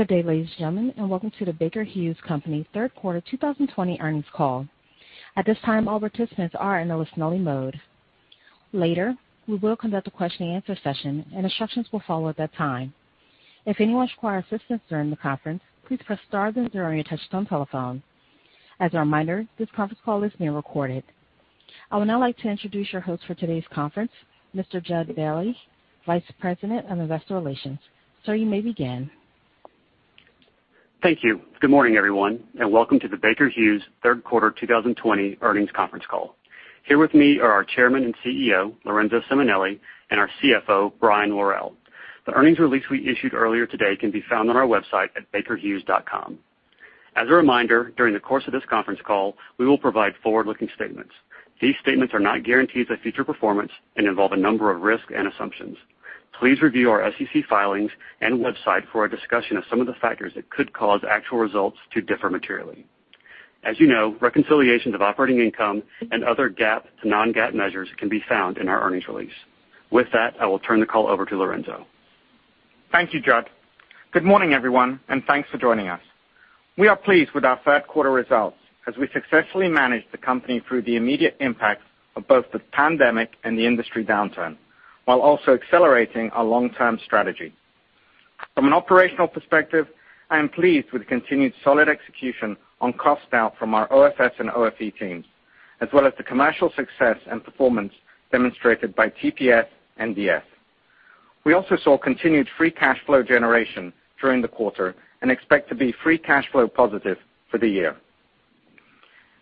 Good day, ladies and gentlemen, and welcome to the Baker Hughes Company third quarter 2020 earnings call. At this time, all participants are in a listen only mode. Later, we welcome the question and answer session and instructions will follow at that time. If anyone require assistance during the conference, please press star then zero on your touchtone phone. As our reminder, this conference call is recorded. I would now like to introduce your host for today's conference, Mr. Jud Bailey, Vice President of Investor Relations. Sir, you may begin. Thank you. Good morning, everyone, and welcome to the Baker Hughes third quarter 2020 earnings conference call. Here with me are our Chairman and CEO, Lorenzo Simonelli, and our CFO, Brian Worrell. The earnings release we issued earlier today can be found on our website at bakerhughes.com. As a reminder, during the course of this conference call, we will provide forward-looking statements. These statements are not guarantees of future performance and involve a number of risks and assumptions. Please review our SEC filings and website for a discussion of some of the factors that could cause actual results to differ materially. As you know, reconciliations of operating income and other GAAP to non-GAAP measures can be found in our earnings release. With that, I will turn the call over to Lorenzo. Thank you, Jud. Good morning, everyone, and thanks for joining us. We are pleased with our third quarter results as we successfully managed the company through the immediate impact of both the pandemic and the industry downturn, while also accelerating our long-term strategy. From an operational perspective, I am pleased with the continued solid execution on cost out from our OFS and OFE teams, as well as the commercial success and performance demonstrated by TPS and DS. We also saw continued free cash flow generation during the quarter and expect to be free cash flow positive for the year.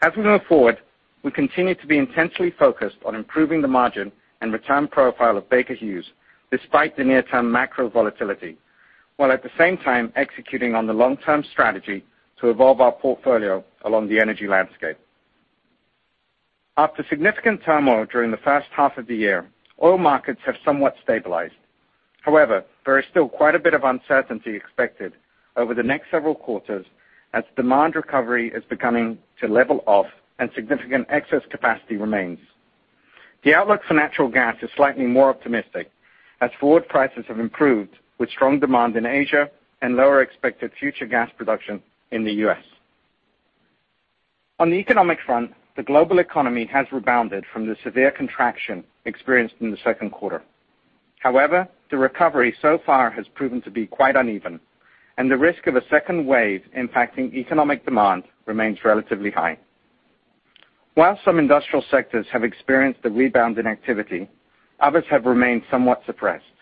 As we move forward, we continue to be intensely focused on improving the margin and return profile of Baker Hughes despite the near-term macro volatility, while at the same time executing on the long-term strategy to evolve our portfolio along the energy landscape. After significant turmoil during the first half of the year, oil markets have somewhat stabilized. However, there is still quite a bit of uncertainty expected over the next several quarters as demand recovery is beginning to level off and significant excess capacity remains. The outlook for natural gas is slightly more optimistic as forward prices have improved with strong demand in Asia and lower expected future gas production in the U.S. On the economic front, the global economy has rebounded from the severe contraction experienced in the second quarter. However, the recovery so far has proven to be quite uneven, and the risk of a second wave impacting economic demand remains relatively high. While some industrial sectors have experienced a rebound in activity, others have remained somewhat suppressed.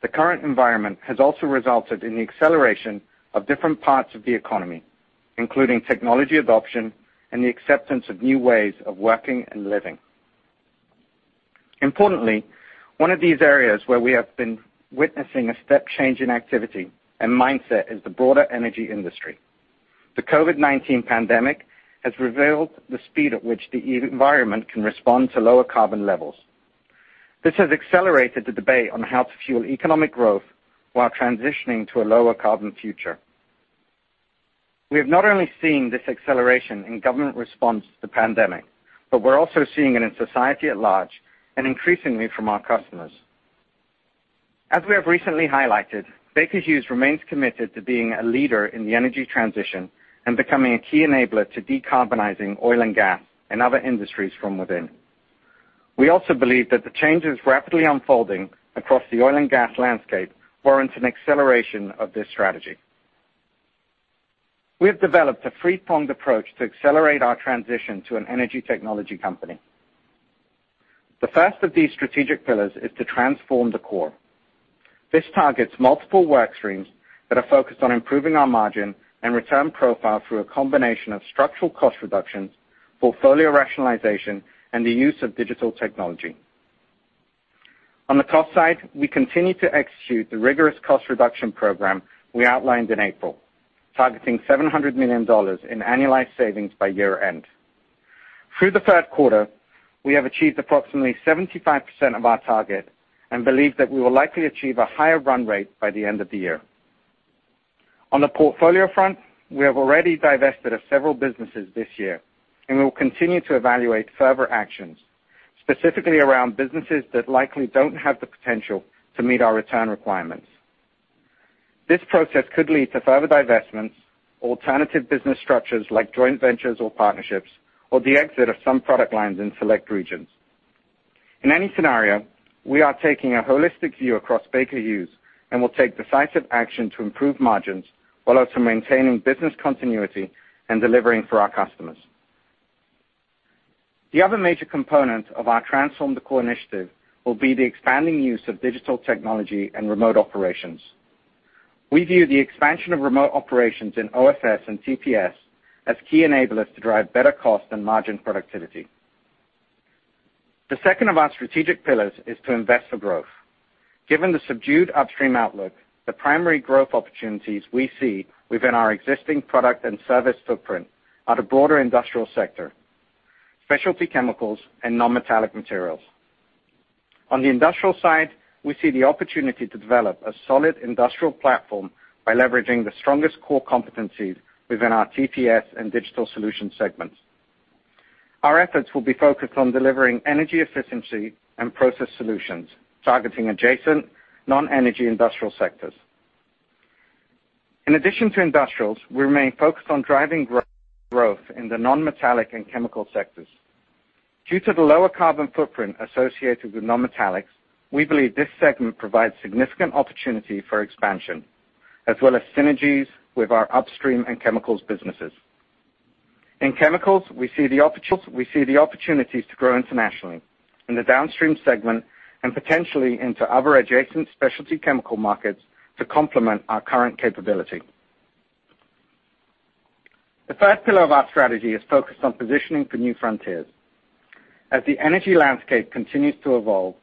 The current environment has also resulted in the acceleration of different parts of the economy, including technology adoption and the acceptance of new ways of working and living. Importantly, one of these areas where we have been witnessing a step change in activity and mindset is the broader energy industry. The COVID-19 pandemic has revealed the speed at which the environment can respond to lower carbon levels. This has accelerated the debate on how to fuel economic growth while transitioning to a lower carbon future. We have not only seen this acceleration in government response to the pandemic, but we're also seeing it in society at large and increasingly from our customers. As we have recently highlighted, Baker Hughes remains committed to being a leader in the energy transition and becoming a key enabler to decarbonizing oil and gas and other industries from within. We also believe that the changes rapidly unfolding across the oil and gas landscape warrant an acceleration of this strategy. We have developed a three-pronged approach to accelerate our transition to an energy technology company. The first of these strategic pillars is to Transform the Core. This targets multiple work streams that are focused on improving our margin and return profile through a combination of structural cost reductions, portfolio rationalization, and the use of digital technology. On the cost side, we continue to execute the rigorous cost reduction program we outlined in April, targeting $700 million in annualized savings by year-end. Through the third quarter, we have achieved approximately 75% of our target and believe that we will likely achieve a higher run rate by the end of the year. On the portfolio front, we have already divested of several businesses this year and will continue to evaluate further actions, specifically around businesses that likely don't have the potential to meet our return requirements. This process could lead to further divestments, alternative business structures like joint ventures or partnerships, or the exit of some product lines in select regions. In any scenario, we are taking a holistic view across Baker Hughes and will take decisive action to improve margins while also maintaining business continuity and delivering for our customers. The other major component of our Transform the Core initiative will be the expanding use of digital technology and remote operations. We view the expansion of remote operations in OFS and TPS as key enablers to drive better cost and margin productivity. The second of our strategic pillars is to invest for growth. Given the subdued upstream outlook, the primary growth opportunities we see within our existing product and service footprint are the broader industrial sector, specialty chemicals, and non-metallic materials. On the industrial side, we see the opportunity to develop a solid industrial platform by leveraging the strongest core competencies within our TPS and Digital Solutions segments. Our efforts will be focused on delivering energy efficiency and process solutions, targeting adjacent non-energy industrial sectors. In addition to industrials, we remain focused on driving growth in the non-metallic and chemical sectors. Due to the lower carbon footprint associated with non-metallics, we believe this segment provides significant opportunity for expansion, as well as synergies with our upstream and chemicals businesses. In chemicals, we see the opportunities to grow internationally in the downstream segment and potentially into other adjacent specialty chemical markets to complement our current capability. The third pillar of our strategy is focused on positioning for new frontiers. As the energy landscape continues to evolve,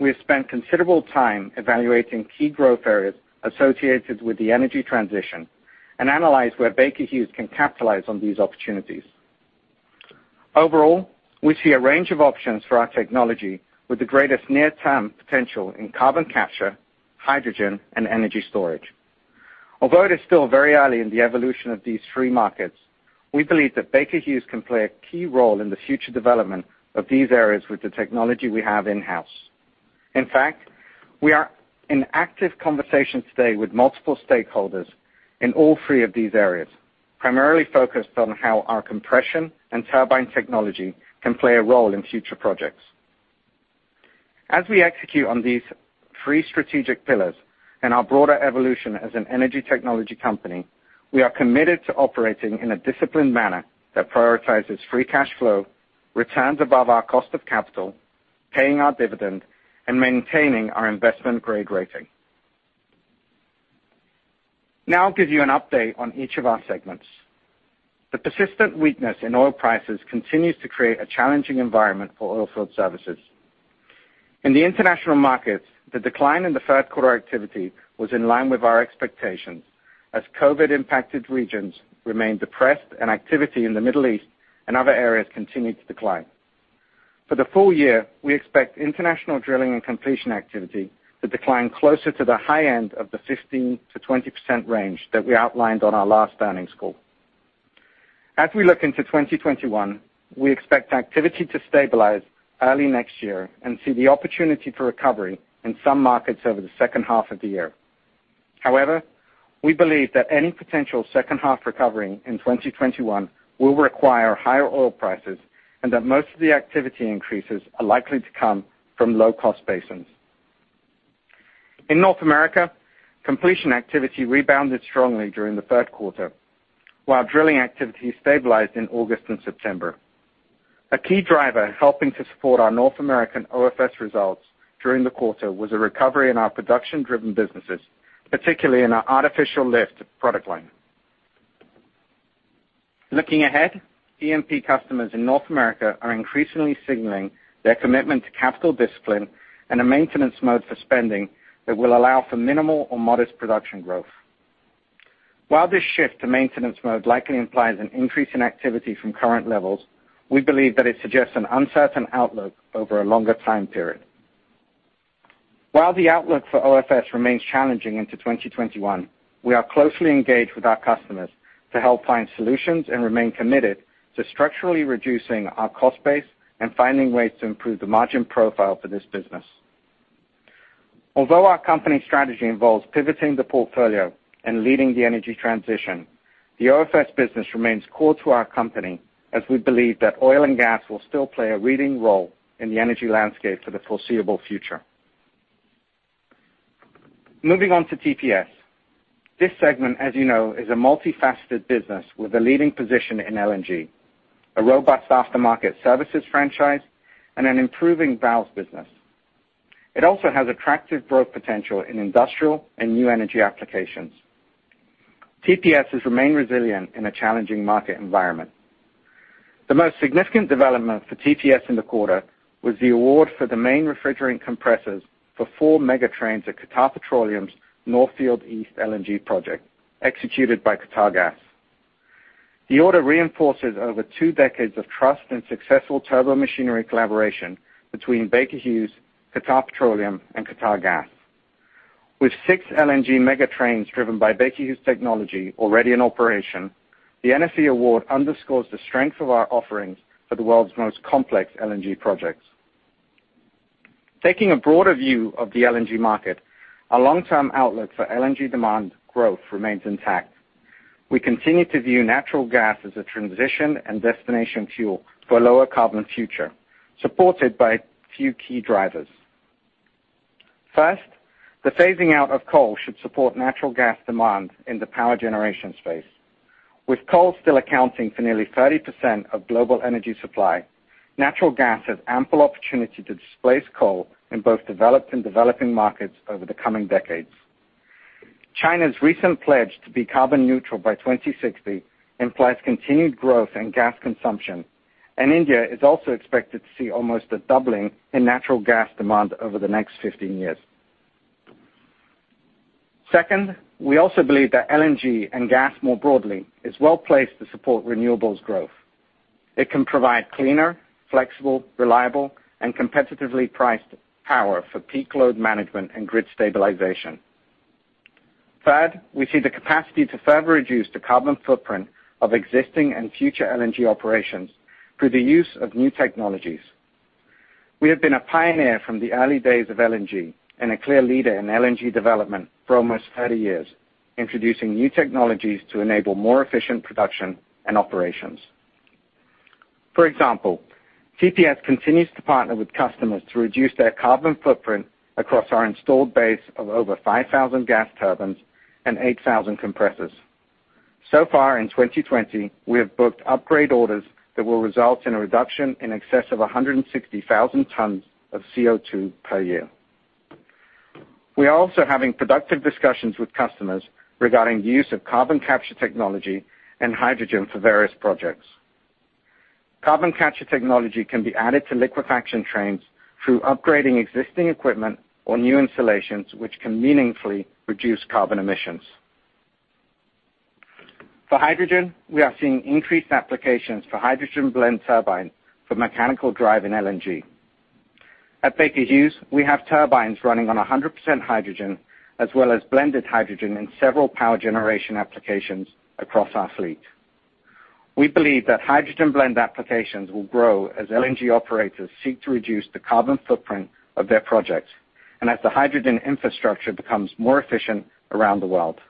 we have spent considerable time evaluating key growth areas associated with the energy transition and analyzed where Baker Hughes can capitalize on these opportunities. Overall, we see a range of options for our technology with the greatest near-term potential in carbon capture, hydrogen, and energy storage. Although it is still very early in the evolution of these three markets, we believe that Baker Hughes can play a key role in the future development of these areas with the technology we have in-house. In fact, we are in active conversations today with multiple stakeholders in all three of these areas, primarily focused on how our compression and turbine technology can play a role in future projects. As we execute on these three strategic pillars and our broader evolution as an energy technology company, we are committed to operating in a disciplined manner that prioritizes free cash flow, returns above our cost of capital, paying our dividend, and maintaining our investment-grade rating. Now I'll give you an update on each of our segments. The persistent weakness in oil prices continues to create a challenging environment for oilfield services. In the international markets, the decline in the third quarter activity was in line with our expectations as COVID-impacted regions remained depressed and activity in the Middle East and other areas continued to decline. For the full year, we expect international drilling and completion activity to decline closer to the high end of the 15%-20% range that we outlined on our last earnings call. As we look into 2021, we expect activity to stabilize early next year and see the opportunity for recovery in some markets over the second half of the year. We believe that any potential second half recovery in 2021 will require higher oil prices and that most of the activity increases are likely to come from low-cost basins. In North America, completion activity rebounded strongly during the third quarter, while drilling activity stabilized in August and September. A key driver helping to support our North American OFS results during the quarter was a recovery in our production-driven businesses, particularly in our artificial lift product line. Looking ahead, E&P customers in North America are increasingly signaling their commitment to capital discipline and a maintenance mode for spending that will allow for minimal or modest production growth. While this shift to maintenance mode likely implies an increase in activity from current levels, we believe that it suggests an uncertain outlook over a longer time period. While the outlook for OFS remains challenging into 2021, we are closely engaged with our customers to help find solutions and remain committed to structurally reducing our cost base and finding ways to improve the margin profile for this business. Although our company strategy involves pivoting the portfolio and leading the energy transition, the OFS business remains core to our company, as we believe that oil and gas will still play a leading role in the energy landscape for the foreseeable future. Moving on to TPS. This segment, as you know, is a multifaceted business with a leading position in LNG, a robust aftermarket services franchise, and an improving valves business. It also has attractive growth potential in industrial and new energy applications. TPS has remained resilient in a challenging market environment. The most significant development for TPS in the quarter was the award for the main refrigerant compressors for four mega trains at Qatar Petroleum's North Field East LNG project, executed by Qatargas. The order reinforces over two decades of trust and successful turbomachinery collaboration between Baker Hughes, Qatar Petroleum, and Qatargas. With six LNG mega trains driven by Baker Hughes technology already in operation, the NFE award underscores the strength of our offerings for the world's most complex LNG projects. Taking a broader view of the LNG market, our long-term outlook for LNG demand growth remains intact. We continue to view natural gas as a transition and destination fuel for a lower carbon future, supported by a few key drivers. First, the phasing out of coal should support natural gas demand in the power generation space. With coal still accounting for nearly 30% of global energy supply, natural gas has ample opportunity to displace coal in both developed and developing markets over the coming decades. China's recent pledge to be carbon neutral by 2060 implies continued growth in gas consumption, and India is also expected to see almost a doubling in natural gas demand over the next 15 years. Second, we also believe that LNG and gas more broadly is well-placed to support renewables growth. It can provide cleaner, flexible, reliable, and competitively priced power for peak load management and grid stabilization. Third, we see the capacity to further reduce the carbon footprint of existing and future LNG operations through the use of new technologies. We have been a pioneer from the early days of LNG and a clear leader in LNG development for almost 30 years, introducing new technologies to enable more efficient production and operations. TPS continues to partner with customers to reduce their carbon footprint across our installed base of over 5,000 gas turbines and 8,000 compressors. So far in 2020, we have booked upgrade orders that will result in a reduction in excess of 160,000 tons of CO2 per year. We are also having productive discussions with customers regarding the use of carbon capture technology and hydrogen for various projects. Carbon capture technology can be added to liquefaction trains through upgrading existing equipment or new installations, which can meaningfully reduce carbon emissions. For hydrogen, we are seeing increased applications for hydrogen blend turbines for mechanical drive in LNG. At Baker Hughes, we have turbines running on 100% hydrogen, as well as blended hydrogen in several power generation applications across our fleet. We believe that hydrogen blend applications will grow as LNG operators seek to reduce the carbon footprint of their projects and as the hydrogen infrastructure becomes more efficient around the world.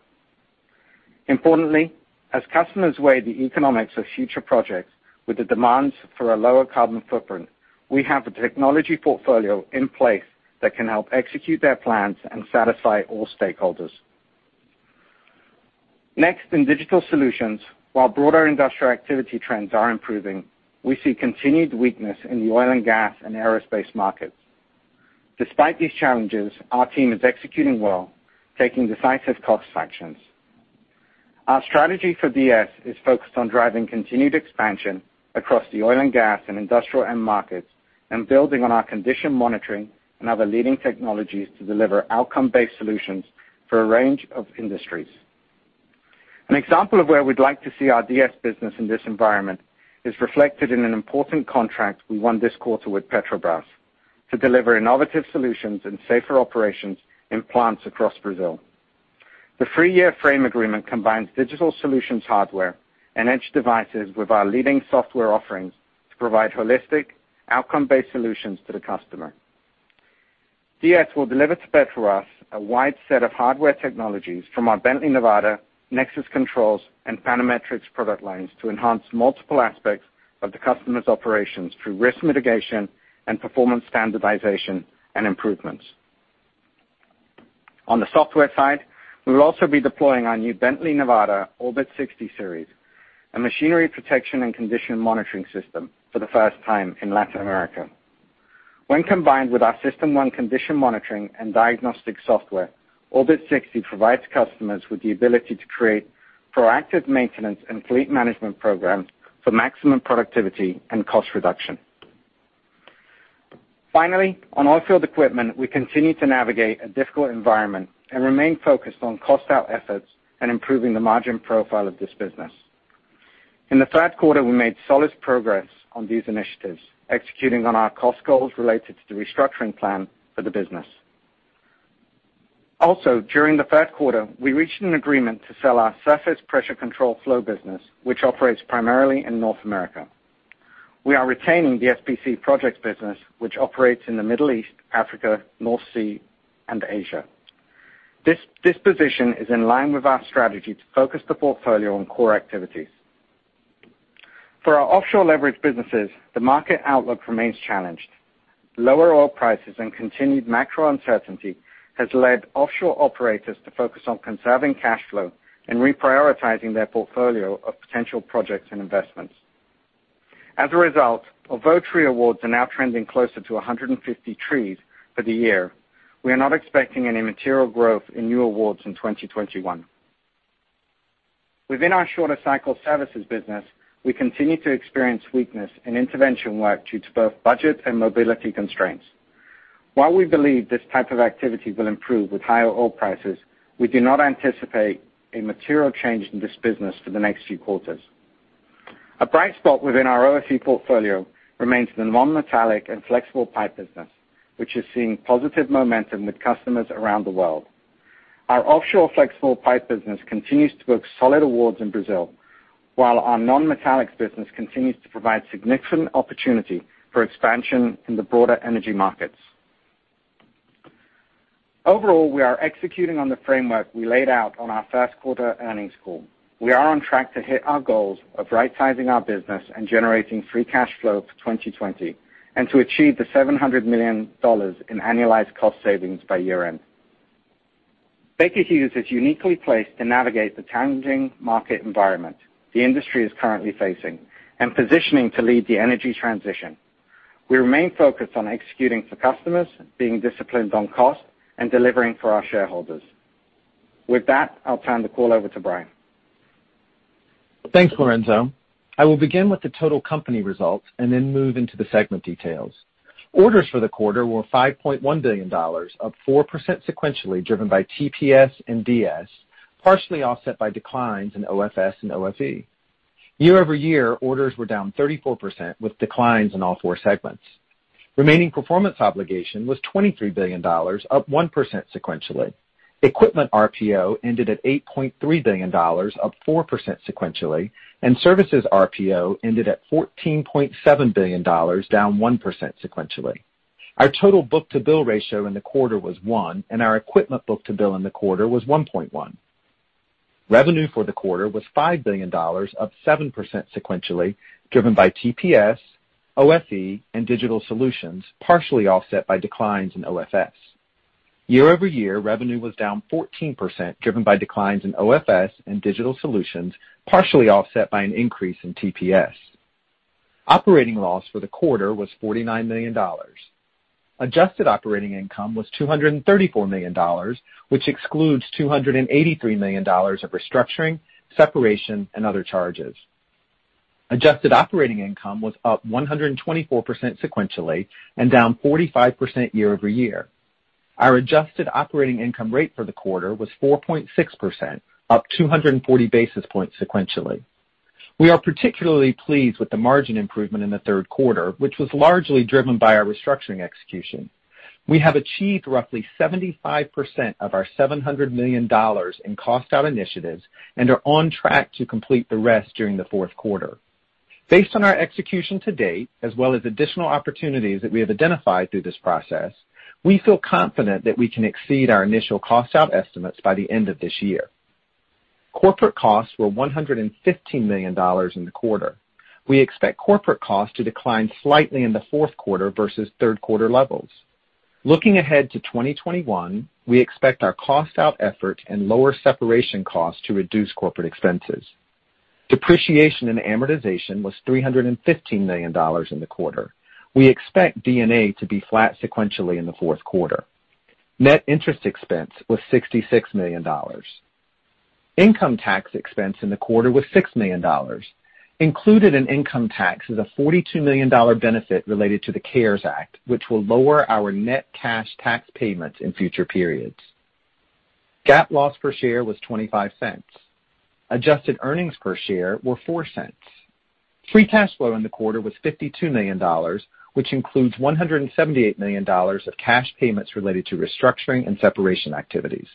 Importantly, as customers weigh the economics of future projects with the demands for a lower carbon footprint, we have the technology portfolio in place that can help execute their plans and satisfy all stakeholders. Next, in Digital Solutions, while broader industrial activity trends are improving, we see continued weakness in the oil and gas and aerospace markets. Despite these challenges, our team is executing well, taking decisive cost actions. Our strategy for DS is focused on driving continued expansion across the oil and gas and industrial end markets and building on our condition monitoring and other leading technologies to deliver outcome-based solutions for a range of industries. An example of where we'd like to see our DS business in this environment is reflected in an important contract we won this quarter with Petrobras to deliver innovative solutions and safer operations in plants across Brazil. The three-year frame agreement combines Digital Solutions hardware and edge devices with our leading software offerings to provide holistic, outcome-based solutions to the customer. DS will deliver to Petrobras a wide set of hardware technologies from our Bently Nevada, Nexus Controls, and Panametrics product lines to enhance multiple aspects of the customer's operations through risk mitigation and performance standardization and improvements. On the software side, we will also be deploying our new Bently Nevada Orbit 60 Series, a machinery protection and condition monitoring system for the first time in Latin America. When combined with our System 1 condition monitoring and diagnostic software, Orbit 60 provides customers with the ability to create proactive maintenance and fleet management programs for maximum productivity and cost reduction. Finally, on oilfield equipment, we continue to navigate a difficult environment and remain focused on cost out efforts and improving the margin profile of this business. In the third quarter, we made solid progress on these initiatives, executing on our cost goals related to the restructuring plan for the business. Also, during the third quarter, we reached an agreement to sell our surface pressure control flow business, which operates primarily in North America. We are retaining the SPC projects business, which operates in the Middle East, Africa, North Sea, and Asia. This disposition is in line with our strategy to focus the portfolio on core activities. For our offshore leverage businesses, the market outlook remains challenged. Lower oil prices and continued macro uncertainty has led offshore operators to focus on conserving cash flow and reprioritizing their portfolio of potential projects and investments. As a result, although tree awards are now trending closer to 150 trees for the year, we are not expecting any material growth in new awards in 2021. Within our shorter cycle services business, we continue to experience weakness in intervention work due to both budget and mobility constraints. While we believe this type of activity will improve with higher oil prices, we do not anticipate a material change in this business for the next few quarters. A bright spot within our OFE portfolio remains the non-metallic and flexible pipe business, which is seeing positive momentum with customers around the world. Our offshore flexible pipe business continues to book solid awards in Brazil, while our non-metallics business continues to provide significant opportunity for expansion in the broader energy markets. Overall, we are executing on the framework we laid out on our first quarter earnings call. We are on track to hit our goals of rightsizing our business and generating free cash flow for 2020 and to achieve the $700 million in annualized cost savings by year-end. Baker Hughes is uniquely placed to navigate the challenging market environment the industry is currently facing and positioning to lead the energy transition. We remain focused on executing for customers, being disciplined on cost, and delivering for our shareholders. With that, I'll turn the call over to Brian. Thanks, Lorenzo. I will begin with the total company results and then move into the segment details. Orders for the quarter were $5.1 billion, up 4% sequentially, driven by TPS and DS, partially offset by declines in OFS and OFE. Year-over-year, orders were down 34%, with declines in all four segments. Remaining performance obligation was $23 billion, up 1% sequentially. Equipment RPO ended at $8.3 billion, up 4% sequentially, and services RPO ended at $14.7 billion, down 1% sequentially. Our total book-to-bill ratio in the quarter was one, and our equipment book-to-bill in the quarter was 1.1. Revenue for the quarter was $5 billion, up 7% sequentially, driven by TPS, OFE, and Digital Solutions, partially offset by declines in OFS. Year-over-year, revenue was down 14%, driven by declines in OFS and Digital Solutions, partially offset by an increase in TPS. Operating loss for the quarter was $49 million. Adjusted operating income was $234 million, which excludes $283 million of restructuring, separation, and other charges. Adjusted operating income was up 124% sequentially and down 45% year-over-year. Our adjusted operating income rate for the quarter was 4.6%, up 240 basis points sequentially. We are particularly pleased with the margin improvement in the third quarter, which was largely driven by our restructuring execution. We have achieved roughly 75% of our $700 million in cost out initiatives and are on track to complete the rest during the fourth quarter. Based on our execution to date, as well as additional opportunities that we have identified through this process, we feel confident that we can exceed our initial cost out estimates by the end of this year. Corporate costs were $115 million in the quarter. We expect corporate costs to decline slightly in the fourth quarter versus third quarter levels. Looking ahead to 2021, we expect our cost out effort and lower separation costs to reduce corporate expenses. Depreciation and amortization was $315 million in the quarter. We expect D&A to be flat sequentially in the fourth quarter. Net interest expense was $66 million. Income tax expense in the quarter was $6 million. Included in income tax is a $42 million benefit related to the CARES Act, which will lower our net cash tax payments in future periods. GAAP loss per share was $0.25. Adjusted earnings per share were $0.04. Free cash flow in the quarter was $52 million, which includes $178 million of cash payments related to restructuring and separation activities.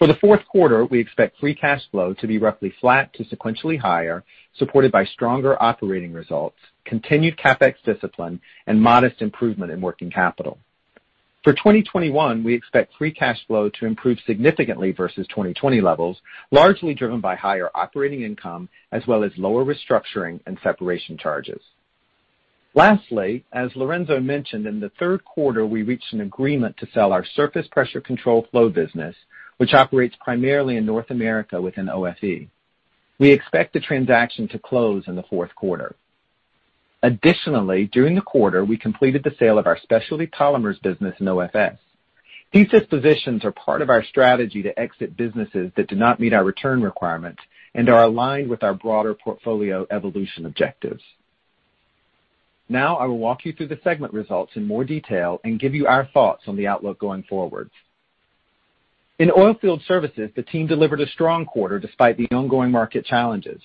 For the fourth quarter, we expect free cash flow to be roughly flat to sequentially higher, supported by stronger operating results, continued CapEx discipline, and modest improvement in working capital. For 2021, we expect free cash flow to improve significantly versus 2020 levels, largely driven by higher operating income as well as lower restructuring and separation charges. As Lorenzo mentioned, in the third quarter, we reached an agreement to sell our surface pressure control flow business, which operates primarily in North America within OFE. We expect the transaction to close in the fourth quarter. During the quarter, we completed the sale of our specialty polymers business in OFS. These dispositions are part of our strategy to exit businesses that do not meet our return requirements and are aligned with our broader portfolio evolution objectives. I will walk you through the segment results in more detail and give you our thoughts on the outlook going forward. In oilfield services, the team delivered a strong quarter despite the ongoing market challenges.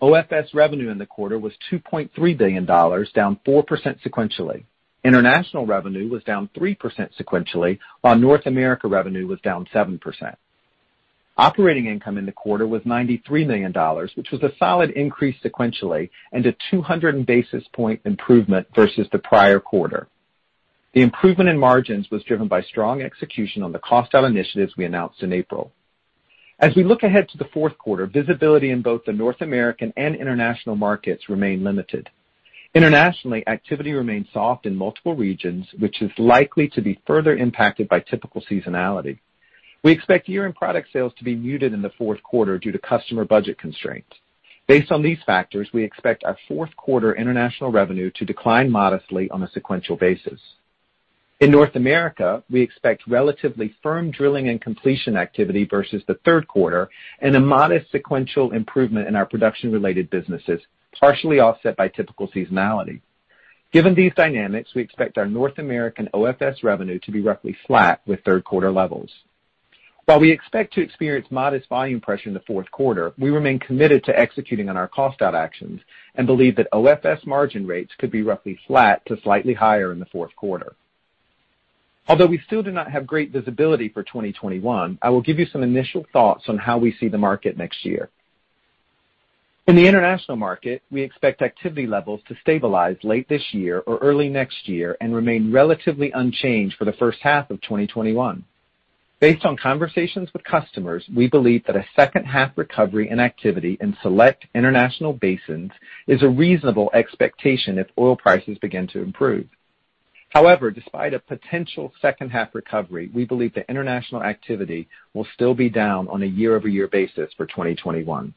OFS revenue in the quarter was $2.3 billion, down 4% sequentially. International revenue was down 3% sequentially, while North America revenue was down 7%. Operating income in the quarter was $93 million, which was a solid increase sequentially and a 200 basis point improvement versus the prior quarter. The improvement in margins was driven by strong execution on the cost out initiatives we announced in April. As we look ahead to the fourth quarter, visibility in both the North American and international markets remain limited. Internationally, activity remains soft in multiple regions, which is likely to be further impacted by typical seasonality. We expect year-end product sales to be muted in the fourth quarter due to customer budget constraints. Based on these factors, we expect our fourth quarter international revenue to decline modestly on a sequential basis. In North America, we expect relatively firm drilling and completion activity versus the third quarter and a modest sequential improvement in our production-related businesses, partially offset by typical seasonality. Given these dynamics, we expect our North American OFS revenue to be roughly flat with third quarter levels. We expect to experience modest volume pressure in the fourth quarter, we remain committed to executing on our cost out actions and believe that OFS margin rates could be roughly flat to slightly higher in the fourth quarter. We still do not have great visibility for 2021, I will give you some initial thoughts on how we see the market next year. In the international market, we expect activity levels to stabilize late this year or early next year and remain relatively unchanged for the first half of 2021. Based on conversations with customers, we believe that a second half recovery in activity in select international basins is a reasonable expectation if oil prices begin to improve. Despite a potential second half recovery, we believe the international activity will still be down on a year-over-year basis for 2021.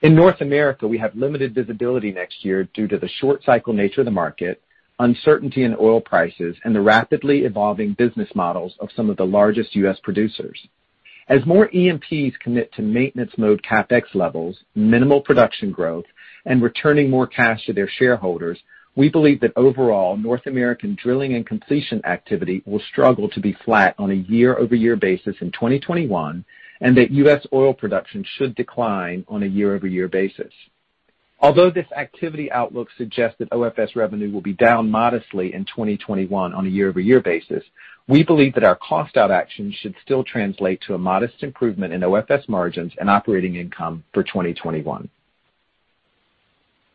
In North America, we have limited visibility next year due to the short cycle nature of the market, uncertainty in oil prices, and the rapidly evolving business models of some of the largest U.S. producers. As more E&Ps commit to maintenance mode CapEx levels, minimal production growth and returning more cash to their shareholders, we believe that overall North American drilling and completion activity will struggle to be flat on a year-over-year basis in 2021, and that U.S. oil production should decline on a year-over-year basis. Although this activity outlook suggests that OFS revenue will be down modestly in 2021 on a year-over-year basis, we believe that our cost-out actions should still translate to a modest improvement in OFS margins and operating income for 2021.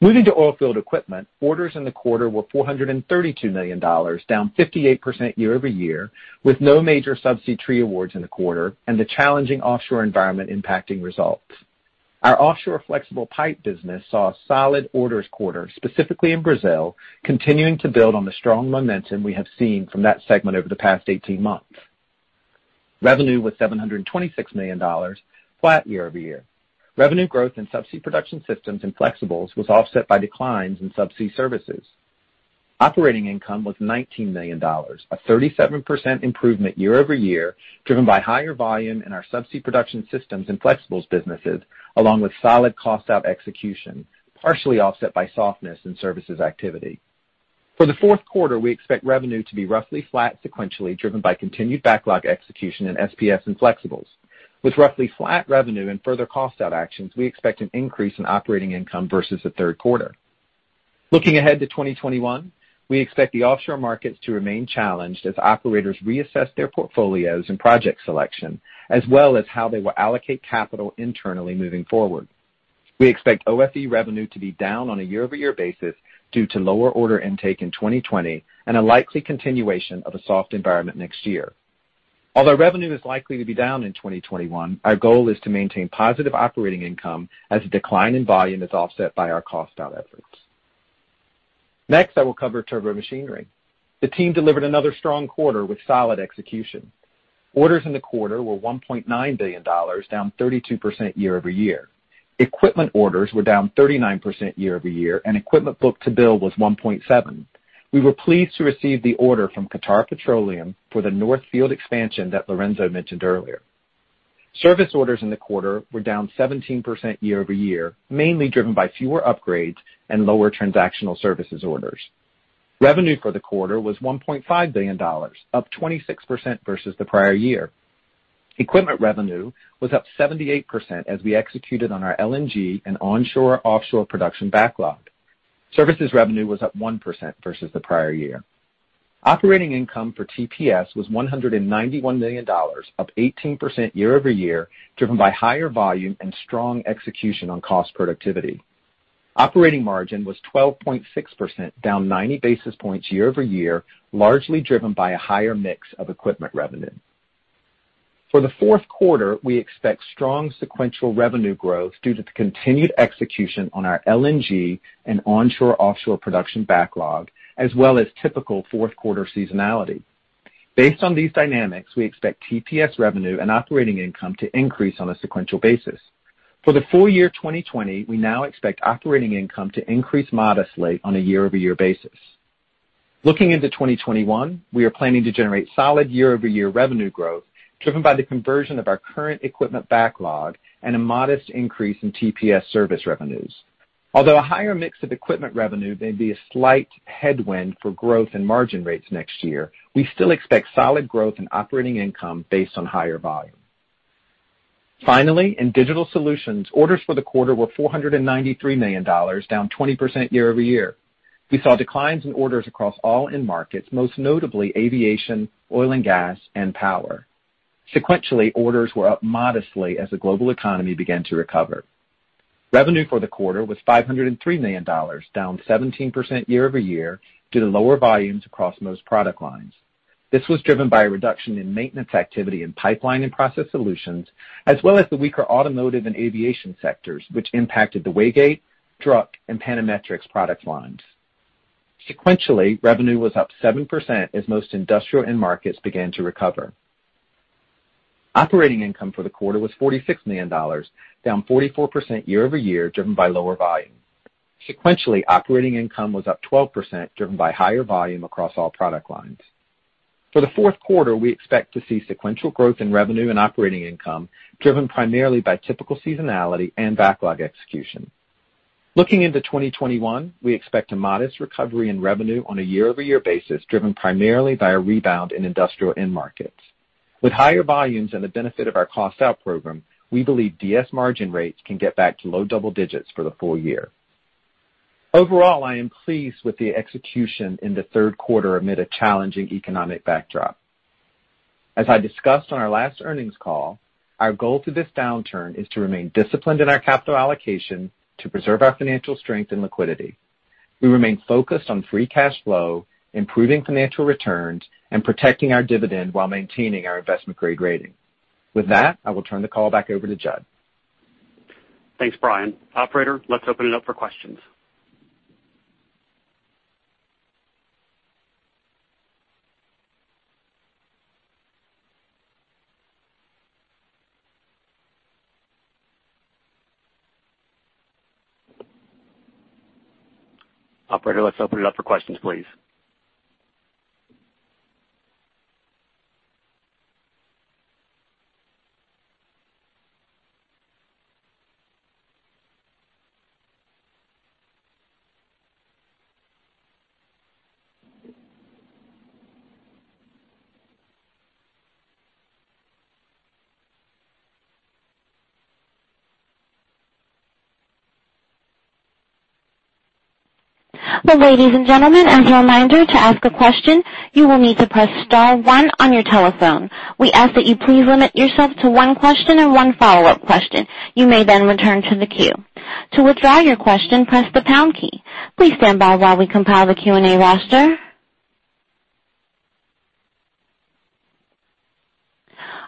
Moving to oilfield equipment, orders in the quarter were $432 million, down 58% year-over-year, with no major subsea tree awards in the quarter and the challenging offshore environment impacting results. Our offshore flexible pipe business saw a solid orders quarter, specifically in Brazil, continuing to build on the strong momentum we have seen from that segment over the past 18 months. Revenue was $726 million, flat year-over-year. Revenue growth in subsea production systems and flexibles was offset by declines in subsea services. Operating income was $19 million, a 37% improvement year-over-year, driven by higher volume in our subsea production systems and flexibles businesses, along with solid cost-out execution, partially offset by softness in services activity. For the fourth quarter, we expect revenue to be roughly flat sequentially, driven by continued backlog execution in SPS and flexibles. With roughly flat revenue and further cost-out actions, we expect an increase in operating income versus the third quarter. Looking ahead to 2021, we expect the offshore markets to remain challenged as operators reassess their portfolios and project selection, as well as how they will allocate capital internally moving forward. We expect OFE revenue to be down on a year-over-year basis due to lower order intake in 2020 and a likely continuation of a soft environment next year. Although revenue is likely to be down in 2021, our goal is to maintain positive operating income as the decline in volume is offset by our cost-out efforts. Next, I will cover turbomachinery machinery. The team delivered another strong quarter with solid execution. Orders in the quarter were $1.9 billion, down 32% year-over-year. Equipment orders were down 39% year-over-year, and equipment book-to-bill was 1.7. We were pleased to receive the order from Qatar Petroleum for the North Field expansion that Lorenzo mentioned earlier. Service orders in the quarter were down 17% year-over-year, mainly driven by fewer upgrades and lower transactional services orders. Revenue for the quarter was $1.5 billion, up 26% versus the prior year. Equipment revenue was up 78% as we executed on our LNG and onshore-offshore production backlog. Services revenue was up 1% versus the prior year. Operating income for TPS was $191 million, up 18% year-over-year, driven by higher volume and strong execution on cost productivity. Operating margin was 12.6%, down 90 basis points year-over-year, largely driven by a higher mix of equipment revenue. For the fourth quarter, we expect strong sequential revenue growth due to the continued execution on our LNG and onshore-offshore production backlog, as well as typical fourth quarter seasonality. Based on these dynamics, we expect TPS revenue and operating income to increase on a sequential basis. For the full year 2020, we now expect operating income to increase modestly on a year-over-year basis. Looking into 2021, we are planning to generate solid year-over-year revenue growth driven by the conversion of our current equipment backlog and a modest increase in TPS service revenues. Although a higher mix of equipment revenue may be a slight headwind for growth and margin rates next year, we still expect solid growth in operating income based on higher volume. In Digital Solutions, orders for the quarter were $493 million, down 20% year-over-year. We saw declines in orders across all end markets, most notably aviation, oil and gas, and power. Sequentially, orders were up modestly as the global economy began to recover. Revenue for the quarter was $503 million, down 17% year-over-year due to lower volumes across most product lines. This was driven by a reduction in maintenance activity in Pipeline & Process Solutions, as well as the weaker automotive and aviation sectors, which impacted the Waygate, Druck and Panametrics product lines. Sequentially, revenue was up 7% as most industrial end markets began to recover. Operating income for the quarter was $46 million, down 44% year-over-year, driven by lower volume. Sequentially, operating income was up 12%, driven by higher volume across all product lines. For the fourth quarter, we expect to see sequential growth in revenue and operating income driven primarily by typical seasonality and backlog execution. Looking into 2021, we expect a modest recovery in revenue on a year-over-year basis, driven primarily by a rebound in industrial end markets. With higher volumes and the benefit of our cost-out program, we believe DS margin rates can get back to low double digits for the full year. Overall, I am pleased with the execution in the third quarter amid a challenging economic backdrop. As I discussed on our last earnings call, our goal through this downturn is to remain disciplined in our capital allocation to preserve our financial strength and liquidity. We remain focused on free cash flow, improving financial returns, and protecting our dividend while maintaining our investment-grade rating. With that, I will turn the call back over to Jud. Thanks, Brian. Operator, let's open it up for questions, please. Ladies and gentlemen, as a reminder, to ask a question, you will need to press star one on your telephone. We ask that you please limit yourself to one question and one follow-up question. You may then return to the queue. To withdraw your question, press the pound key. Please stand by while we compile the Q&A roster.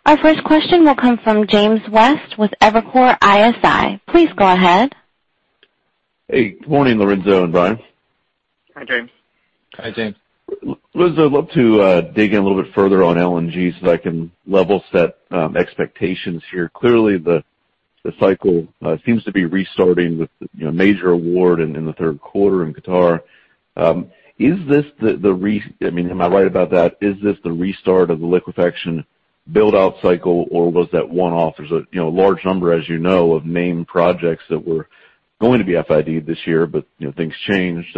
Our first question will come from James West with Evercore ISI. Please go ahead. Hey, good morning, Lorenzo and Brian. Hi, James. Lorenzo, I'd love to dig in a little bit further on LNG so I can level set expectations here. Clearly, the cycle seems to be restarting with a major award in the third quarter in Qatar. Am I right about that? Is this the restart of the liquefaction build-out cycle, or was that one-off? There's a large number, as you know, of main projects that were going to be FID this year, but things changed.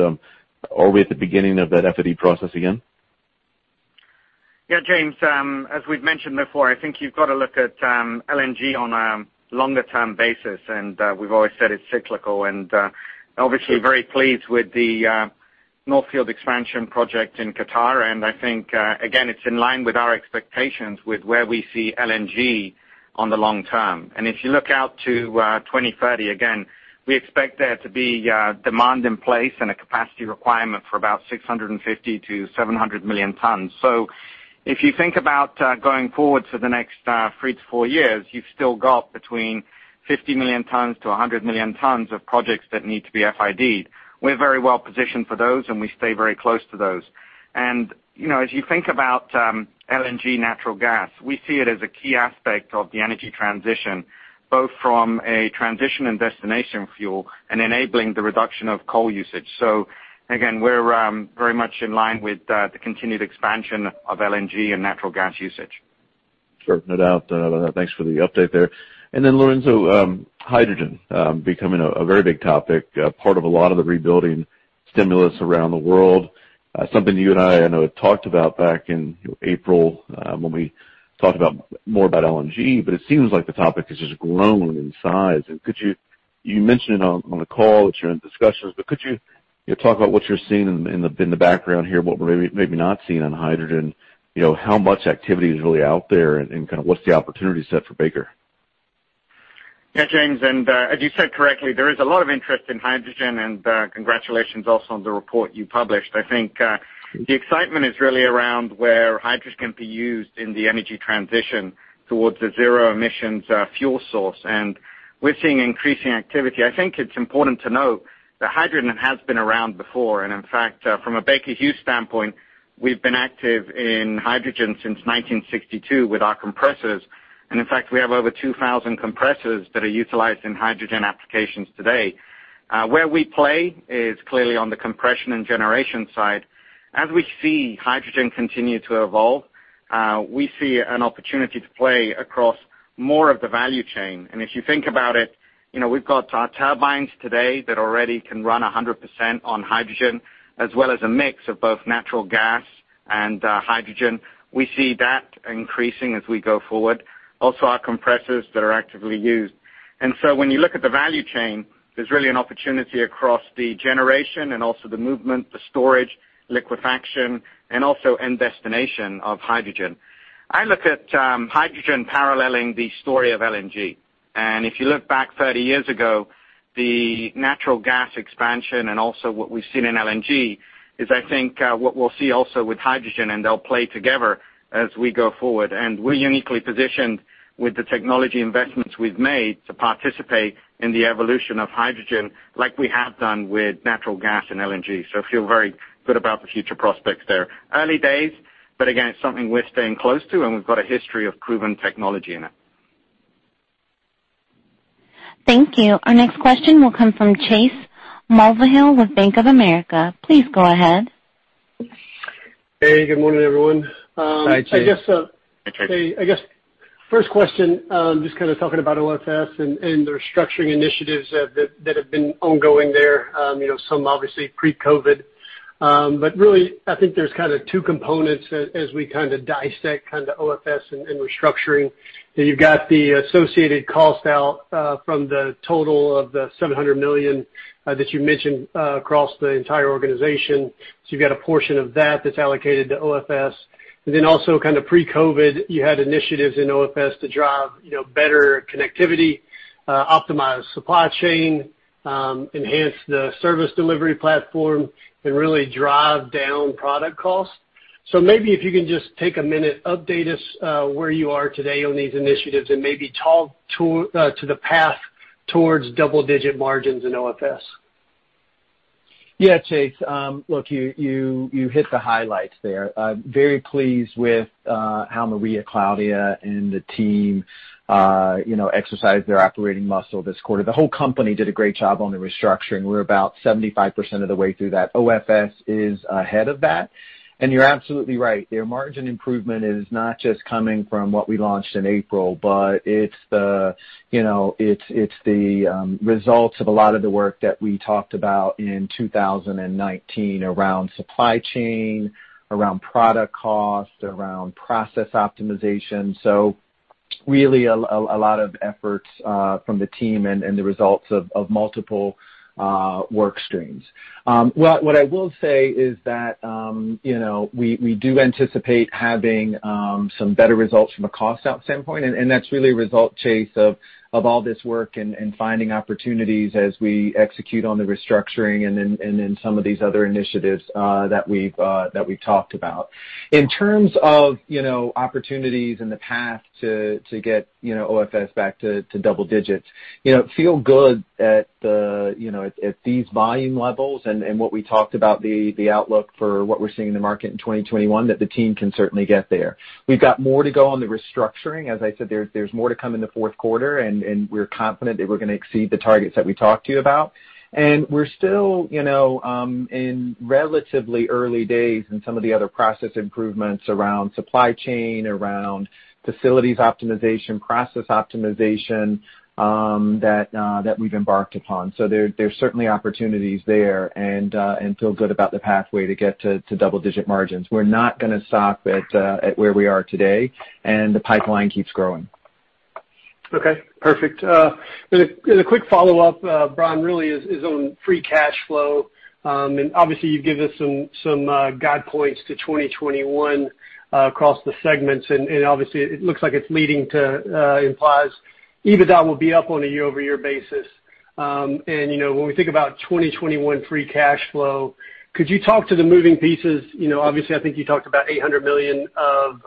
Are we at the beginning of that FID process again? Yeah, James, as we've mentioned before, I think you've got to look at LNG on a longer-term basis, and we've always said it's cyclical and obviously very pleased with the North Field Expansion project in Qatar. I think, again, it's in line with our expectations with where we see LNG on the long term. If you look out to 2030, again, we expect there to be demand in place and a capacity requirement for about 650 million-700 million tons. If you think about going forward for the next three to four years, you've still got between 50 million-100 million tons of projects that need to be FID. We're very well positioned for those, and we stay very close to those. As you think about LNG natural gas, we see it as a key aspect of the energy transition, both from a transition and destination fuel and enabling the reduction of coal usage. Again, we're very much in line with the continued expansion of LNG and natural gas usage. Certain it out. Thanks for the update there. Then Lorenzo, hydrogen, becoming a very big topic, part of a lot of the rebuilding stimulus around the world. Something you and I know, had talked about back in April when we talked more about LNG, it seems like the topic has just grown in size. You mentioned on the call that you're in discussions, could you talk about what you're seeing in the background here, what we're maybe not seeing on hydrogen? How much activity is really out there, what's the opportunity set for Baker? Yeah, James, as you said correctly, there is a lot of interest in hydrogen, and congratulations also on the report you published. I think the excitement is really around where hydrogen can be used in the energy transition towards a zero-emissions fuel source, and we're seeing increasing activity. I think it's important to note that hydrogen has been around before, and in fact, from a Baker Hughes standpoint, we've been active in hydrogen since 1962 with our compressors. In fact, we have over 2,000 compressors that are utilized in hydrogen applications today. Where we play is clearly on the compression and generation side. As we see hydrogen continue to evolve, we see an opportunity to play across more of the value chain. If you think about it, we've got our turbines today that already can run 100% on hydrogen, as well as a mix of both natural gas and hydrogen. We see that increasing as we go forward. Our compressors that are actively used. When you look at the value chain, there's really an opportunity across the generation and also the movement, the storage, liquefaction, and also end destination of hydrogen. I look at hydrogen paralleling the story of LNG. If you look back 30 years ago, the natural gas expansion and also what we've seen in LNG is, I think, what we'll see also with hydrogen, and they'll play together as we go forward. We're uniquely positioned with the technology investments we've made to participate in the evolution of hydrogen like we have done with natural gas and LNG. Feel very good about the future prospects there. Early days, but again, it's something we're staying close to, and we've got a history of proven technology in it. Thank you. Our next question will come from Chase Mulvehill with Bank of America. Please go ahead. Hey, good morning, everyone. Hi, Chase. I guess, first question, just kind of talking about OFS and the restructuring initiatives that have been ongoing there, some obviously pre-COVID. Really, I think there's kind of two components as we dissect OFS and restructuring. You've got the associated cost out from the total of the $700 million that you mentioned across the entire organization. You've got a portion of that's allocated to OFS. Then also kind of pre-COVID, you had initiatives in OFS to drive better connectivity, optimize supply chain, enhance the service delivery platform, and really drive down product costs. Maybe if you can just take a minute, update us where you are today on these initiatives and maybe talk to the path towards double-digit margins in OFS. Yeah, Chase. Look, you hit the highlights there. Very pleased with how Maria Claudia and the team exercised their operating muscle this quarter. The whole company did a great job on the restructuring. We're about 75% of the way through that. OFS is ahead of that. You're absolutely right, their margin improvement is not just coming from what we launched in April, but it's the results of a lot of the work that we talked about in 2019 around supply chain, around product cost, around process optimization. Really a lot of efforts from the team and the results of multiple work streams. What I will say is that we do anticipate having some better results from a cost out standpoint, and that's really a result, Chase, of all this work and finding opportunities as we execute on the restructuring and in some of these other initiatives that we've talked about. In terms of opportunities and the path to get OFS back to double digits, feel good at these volume levels and what we talked about the outlook for what we're seeing in the market in 2021, that the team can certainly get there. We've got more to go on the restructuring. As I said, there's more to come in the fourth quarter, and we're confident that we're going to exceed the targets that we talked to you about. We're still in relatively early days in some of the other process improvements around supply chain, around facilities optimization, process optimization that we've embarked upon. There's certainly opportunities there and feel good about the pathway to get to double-digit margins. We're not gonna stop at where we are today, and the pipeline keeps growing. Okay, perfect. As a quick follow-up, Brian, really is on free cash flow. Obviously, you've given us some guidepoints to 2021 across the segments, and obviously it looks like it's leading to implies EBITDA will be up on a year-over-year basis. When we think about 2021 free cash flow, could you talk to the moving pieces? Obviously, I think you talked about $800 million of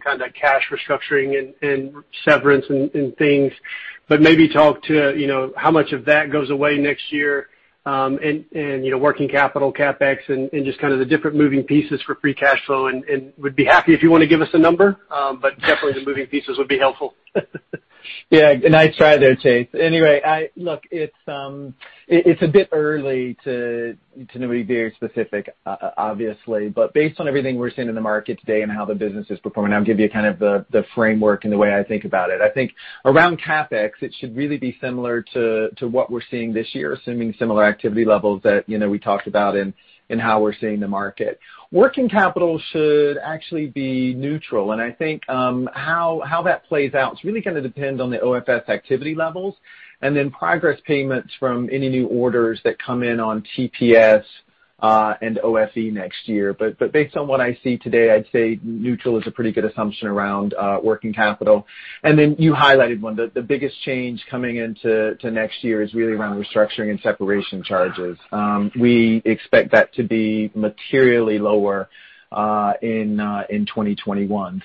kind of cash restructuring and severance and things. Maybe talk to how much of that goes away next year, and working capital, CapEx, and just kind of the different moving pieces for free cash flow, and would be happy if you want to give us a number. Definitely the moving pieces would be helpful. Yeah. Nice try there, Chase. Look, it's a bit early to be very specific, obviously. Based on everything we're seeing in the market today and how the business is performing, I'll give you kind of the framework and the way I think about it. I think around CapEx, it should really be similar to what we're seeing this year, assuming similar activity levels that we talked about in how we're seeing the market. Working capital should actually be neutral, and I think how that plays out, it's really gonna depend on the OFS activity levels and then progress payments from any new orders that come in on TPS and OFE next year. Based on what I see today, I'd say neutral is a pretty good assumption around working capital. Then you highlighted one. The biggest change coming into next year is really around restructuring and separation charges. We expect that to be materially lower in 2021.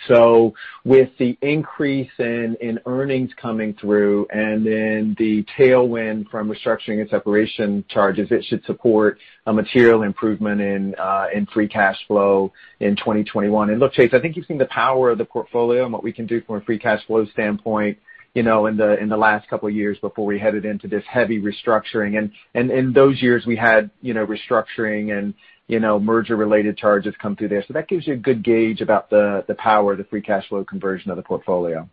With the increase in earnings coming through and then the tailwind from restructuring and separation charges, it should support a material improvement in free cash flow in 2021. Look, Chase, I think you've seen the power of the portfolio and what we can do from a free cash flow standpoint in the last couple of years before we headed into this heavy restructuring. In those years, we had restructuring and merger-related charges come through there. That gives you a good gauge about the power, the free cash flow conversion of the portfolio.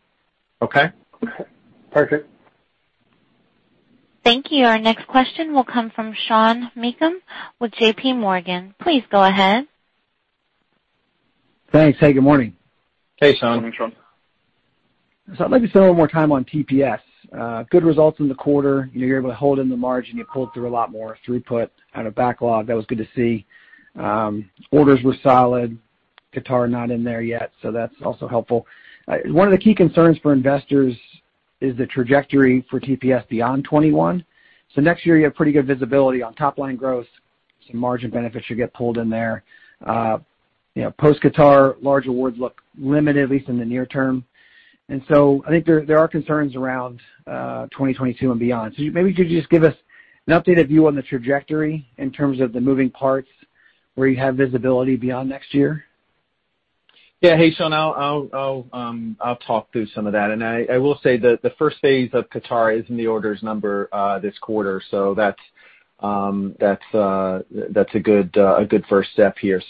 Okay? Okay, perfect. Thank you. Our next question will come from Sean Meakim with JPMorgan. Please go ahead. Thanks. Hey, good morning. Hey, Sean. Morning, Sean. Let me spend a little more time on TPS. Good results in the quarter. You were able to hold in the margin. You pulled through a lot more throughput out of backlog. That was good to see. Orders were solid. Qatar not in there yet, so that's also helpful. One of the key concerns for investors is the trajectory for TPS beyond 2021. Next year, you have pretty good visibility on top-line growth. Some margin benefits should get pulled in there. Post-Qatar, large awards look limited, at least in the near term. I think there are concerns around 2022 and beyond. Maybe could you just give us an updated view on the trajectory in terms of the moving parts where you have visibility beyond next year? Hey, Sean, I'll talk through some of that. I will say the first phase of Qatar is in the orders number this quarter, that's a good first step here.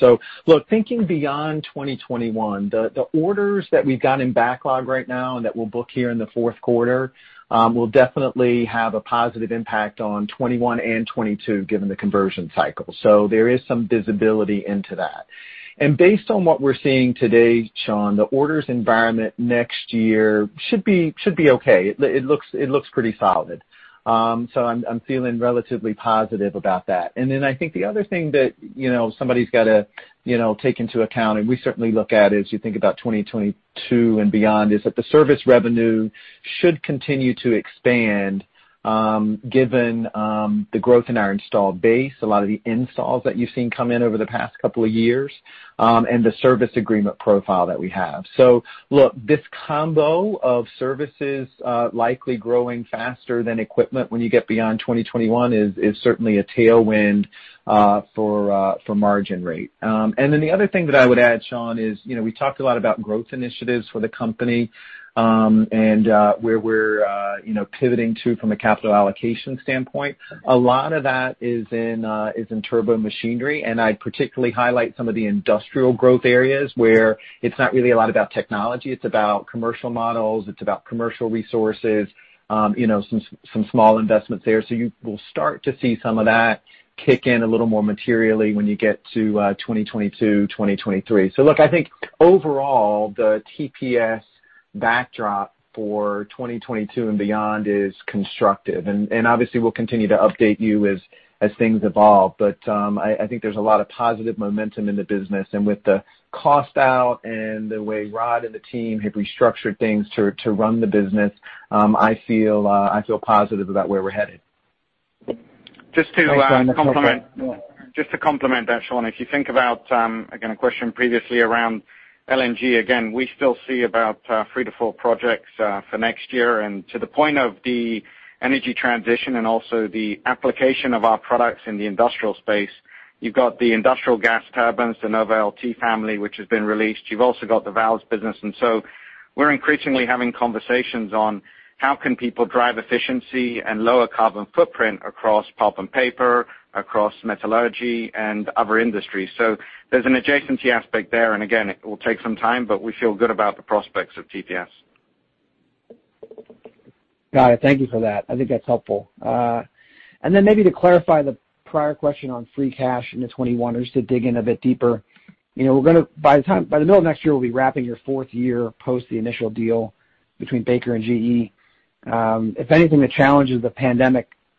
Look, thinking beyond 2021, the orders that we've got in backlog right now and that we'll book here in the fourth quarter will definitely have a positive impact on 2021 and 2022, given the conversion cycle. There is some visibility into that. Based on what we're seeing today, Sean, the orders environment next year should be okay. It looks pretty solid. I'm feeling relatively positive about that. I think the other thing that somebody's got to take into account, and we certainly look at as you think about 2022 and beyond, is that the service revenue should continue to expand, given the growth in our installed base, a lot of the installs that you've seen come in over the past couple of years, and the service agreement profile that we have. Look, this combo of services likely growing faster than equipment when you get beyond 2021 is certainly a tailwind for margin rate. The other thing that I would add, Sean, is we talked a lot about growth initiatives for the company, and where we're pivoting to from a capital allocation standpoint. A lot of that is in turbomachinery, I'd particularly highlight some of the industrial growth areas where it's not really a lot about technology, it's about commercial models, it's about commercial resources, some small investments there. You will start to see some of that kick in a little more materially when you get to 2022, 2023. Look, I think overall, the TPS backdrop for 2022 and beyond is constructive. Obviously, we'll continue to update you as things evolve, but I think there's a lot of positive momentum in the business. With the cost out and the way Rod and the team have restructured things to run the business, I feel positive about where we're headed. Thanks, Brian. That's helpful. Yeah. compliment that, Sean. If you think about, again, a question previously around LNG, again, we still see about three to four projects for next year. To the point of the energy transition and also the application of our products in the industrial space, you've got the industrial gas turbines, the NovaLT family, which has been released. You've also got the valves business. So we're increasingly having conversations on how can people drive efficiency and lower carbon footprint across pulp and paper, across metallurgy, and other industries. There's an adjacency aspect there. Again, it will take some time, but we feel good about the prospects of TPS. Got it. Thank you for that. I think that's helpful. By the middle of next year, we'll be wrapping your fourth year post the initial deal between Baker and GE. If anything, the challenges of the pandemic accelerated the restructuring plan. Maybe to clarify the prior question on free cash into 2021 or just to dig in a bit deeper, I'm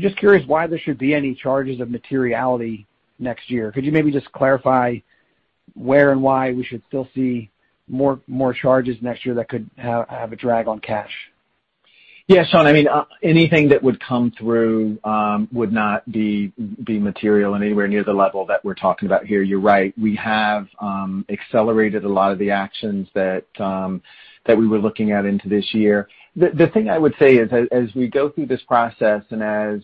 just curious why there should be any charges of materiality next year. Could you maybe just clarify where and why we should still see more charges next year that could have a drag on cash? Yeah, Sean, anything that would come through would not be material in anywhere near the level that we're talking about here. You're right. We have accelerated a lot of the actions that we were looking at into this year. The thing I would say is, as we go through this process and as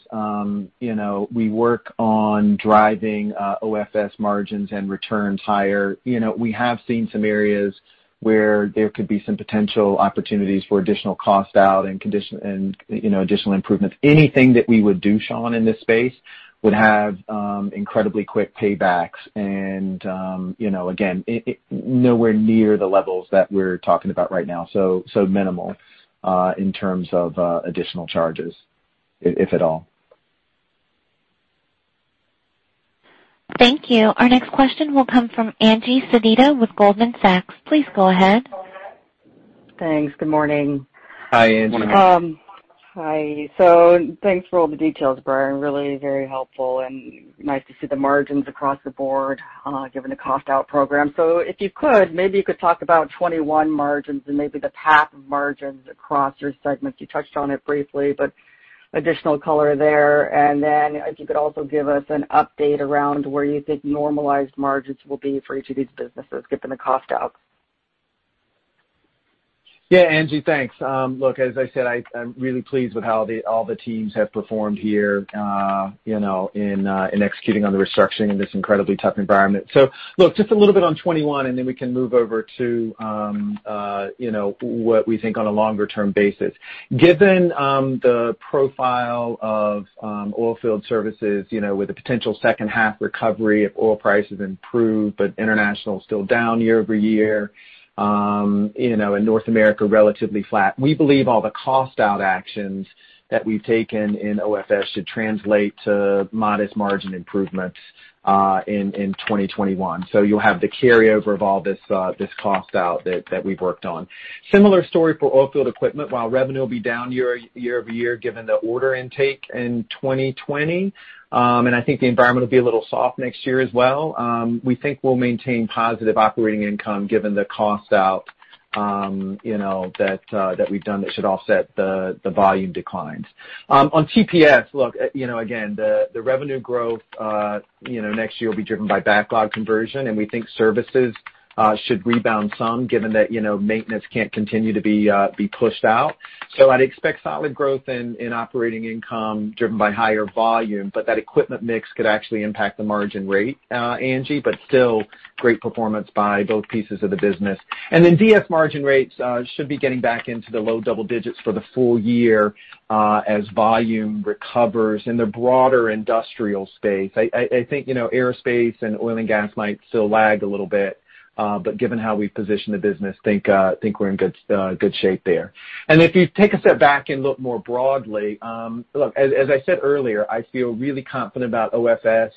we work on driving OFS margins and returns higher, we have seen some areas where there could be some potential opportunities for additional cost out and additional improvements. Anything that we would do, Sean, in this space would have incredibly quick paybacks and, again, nowhere near the levels that we're talking about right now. Minimal in terms of additional charges, if at all. Thank you. Our next question will come from Angie Sedita with Goldman Sachs. Please go ahead. Thanks. Good morning. Hi, Angie. Good morning. Hi. Thanks for all the details, Brian. Really very helpful and nice to see the margins across the board, given the cost-out program. If you could, maybe you could talk about 2021 margins and maybe the path of margins across your segments. You touched on it briefly, additional color there. If you could also give us an update around where you think normalized margins will be for each of these businesses, given the cost-out. Yeah, Angie, thanks. As I said, I'm really pleased with how all the teams have performed here in executing on the restructuring in this incredibly tough environment. Just a little bit on 2021, then we can move over to what we think on a longer-term basis. Given the profile of oilfield services, with a potential second half recovery if oil prices improve, but international still down year-over-year, and North America relatively flat, we believe all the cost-out actions that we've taken in OFS should translate to modest margin improvements in 2021. You'll have the carryover of all this cost out that we've worked on. Similar story for Oilfield Equipment. While revenue will be down year-over-year given the order intake in 2020, and I think the environment will be a little soft next year as well, we think we'll maintain positive operating income given the cost out that we've done that should offset the volume declines. On TPS, look, again, the revenue growth next year will be driven by backlog conversion, and we think services should rebound some, given that maintenance can't continue to be pushed out. I'd expect solid growth in operating income driven by higher volume, but that equipment mix could actually impact the margin rate, Angie, but still great performance by both pieces of the business. DS margin rates should be getting back into the low double digits for the full year, as volume recovers in the broader industrial space. I think aerospace and oil and gas might still lag a little bit, but given how we've positioned the business, think we're in good shape there. If you take a step back and look more broadly, look, as I said earlier, I feel really confident about OFS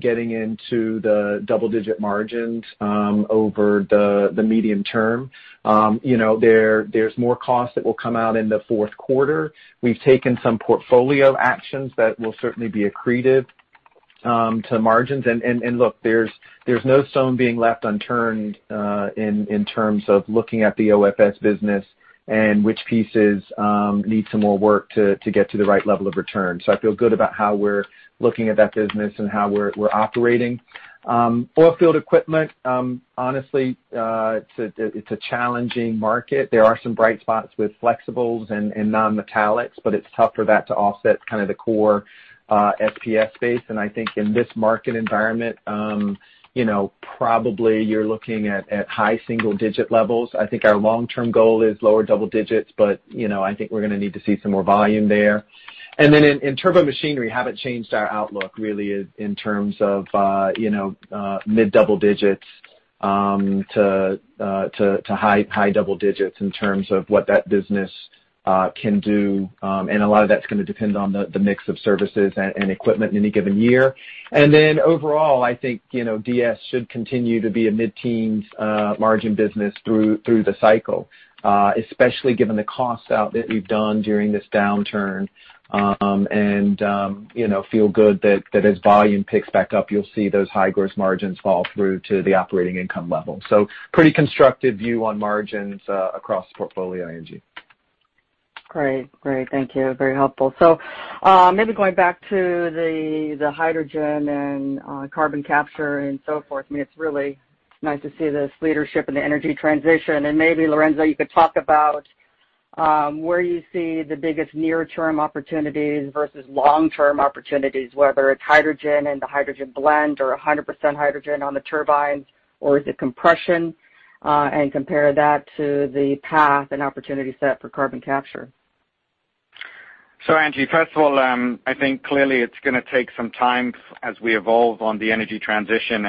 getting into the double-digit margins over the medium term. There's more cost that will come out in the fourth quarter. We've taken some portfolio actions that will certainly be accretive to margins. Look, there's no stone being left unturned in terms of looking at the OFS business and which pieces need some more work to get to the right level of return. I feel good about how we're looking at that business and how we're operating. Oilfield equipment, honestly, it's a challenging market. There are some bright spots with flexibles and non-metallics, but it's tough for that to offset kind of the core FPS space. I think in this market environment, probably you're looking at high single-digit levels. I think our long-term goal is lower double digits, but I think we're going to need to see some more volume there. Then in Turbomachinery, haven't changed our outlook, really, in terms of mid-double digits to high double digits in terms of what that business can do. A lot of that's going to depend on the mix of services and equipment in any given year. Overall, I think DS should continue to be a mid-teens margin business through the cycle, especially given the cost out that we've done during this downturn, and feel good that as volume picks back up, you'll see those high gross margins fall through to the operating income level. Pretty constructive view on margins across the portfolio, Angie. Great. Thank you. Very helpful. Maybe going back to the hydrogen and carbon capture and so forth, I mean, it's really nice to see this leadership in the energy transition, and maybe Lorenzo, you could talk about where you see the biggest near-term opportunities versus long-term opportunities, whether it's hydrogen and the hydrogen blend or 100% hydrogen on the turbines, or is it compression? Compare that to the path and opportunity set for carbon capture. Angie, first of all, I think clearly it's going to take some time as we evolve on the energy transition.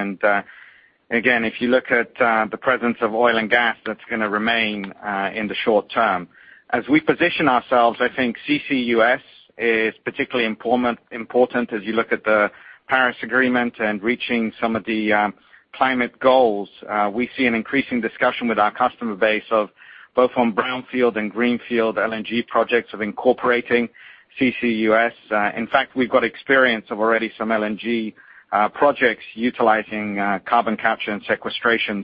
Again, if you look at the presence of oil and gas, that's going to remain in the short term. As we position ourselves, I think CCUS is particularly important as you look at the Paris Agreement and reaching some of the climate goals. We see an increasing discussion with our customer base of both on brownfield and greenfield LNG projects of incorporating CCUS. In fact, we've got experience of already some LNG projects utilizing carbon capture and sequestration.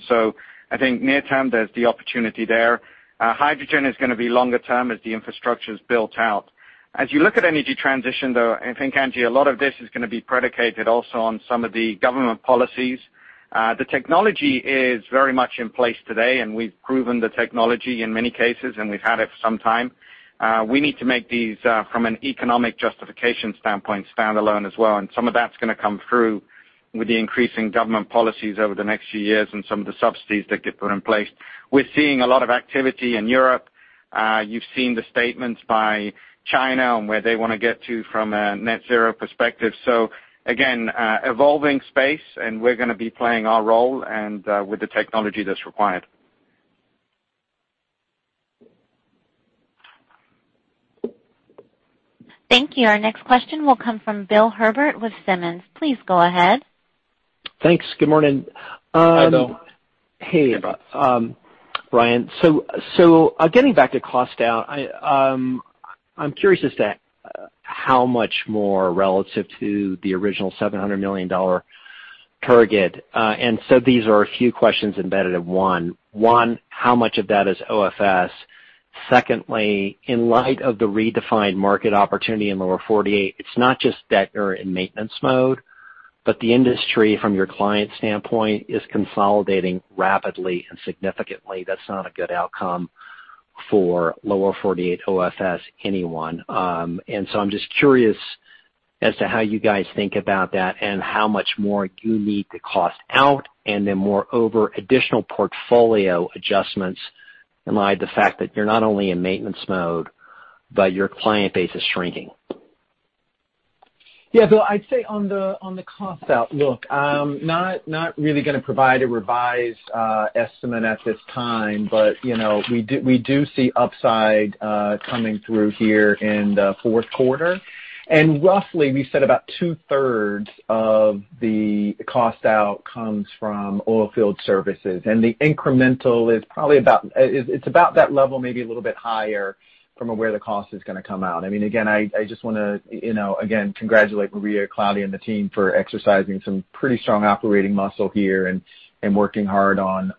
I think near term, there's the opportunity there. Hydrogen is going to be longer term as the infrastructure's built out. As you look at energy transition, though, I think, Angie, a lot of this is going to be predicated also on some of the government policies. The technology is very much in place today, and we've proven the technology in many cases, and we've had it for some time. We need to make these, from an economic justification standpoint, stand alone as well, and some of that's going to come through with the increasing government policies over the next few years and some of the subsidies that get put in place. We're seeing a lot of activity in Europe. You've seen the statements by China and where they want to get to from a net zero perspective. Again, evolving space and we're going to be playing our role and with the technology that's required. Thank you. Our next question will come from Bill Herbert with Simmons. Please go ahead. Thanks. Good morning. Hi, Bill. Hey, Brian. Getting back to cost out, I'm curious as to how much more relative to the original $700 million target. These are a few questions embedded in one. One, how much of that is OFS? Secondly, in light of the redefined market opportunity in Lower 48, it's not just that you're in maintenance mode, but the industry from your client standpoint is consolidating rapidly and significantly. That's not a good outcome for Lower 48 OFS, anyone. I'm just curious as to how you guys think about that and how much more you need to cost out, and then moreover, additional portfolio adjustments in light of the fact that you're not only in maintenance mode, but your client base is shrinking. Yeah, Bill, I'd say on the cost out, look, not really going to provide a revised estimate at this time, but we do see upside coming through here in the fourth quarter. Roughly we said about two-thirds of the cost out comes from oilfield services, the incremental is probably about that level, maybe a little bit higher from where the cost is going to come out. Again, I just want to congratulate Maria Claudia and the team for exercising some pretty strong operating muscle here and working hard on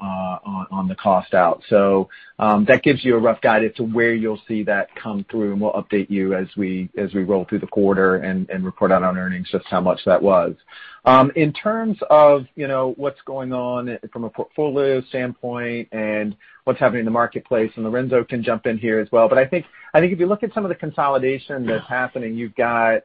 the cost out. That gives you a rough guide as to where you'll see that come through, and we'll update you as we roll through the quarter and report out on earnings just how much that was. In terms of what's going on from a portfolio standpoint and what's happening in the marketplace, Lorenzo can jump in here as well. I think if you look at some of the consolidation that's happening, you're going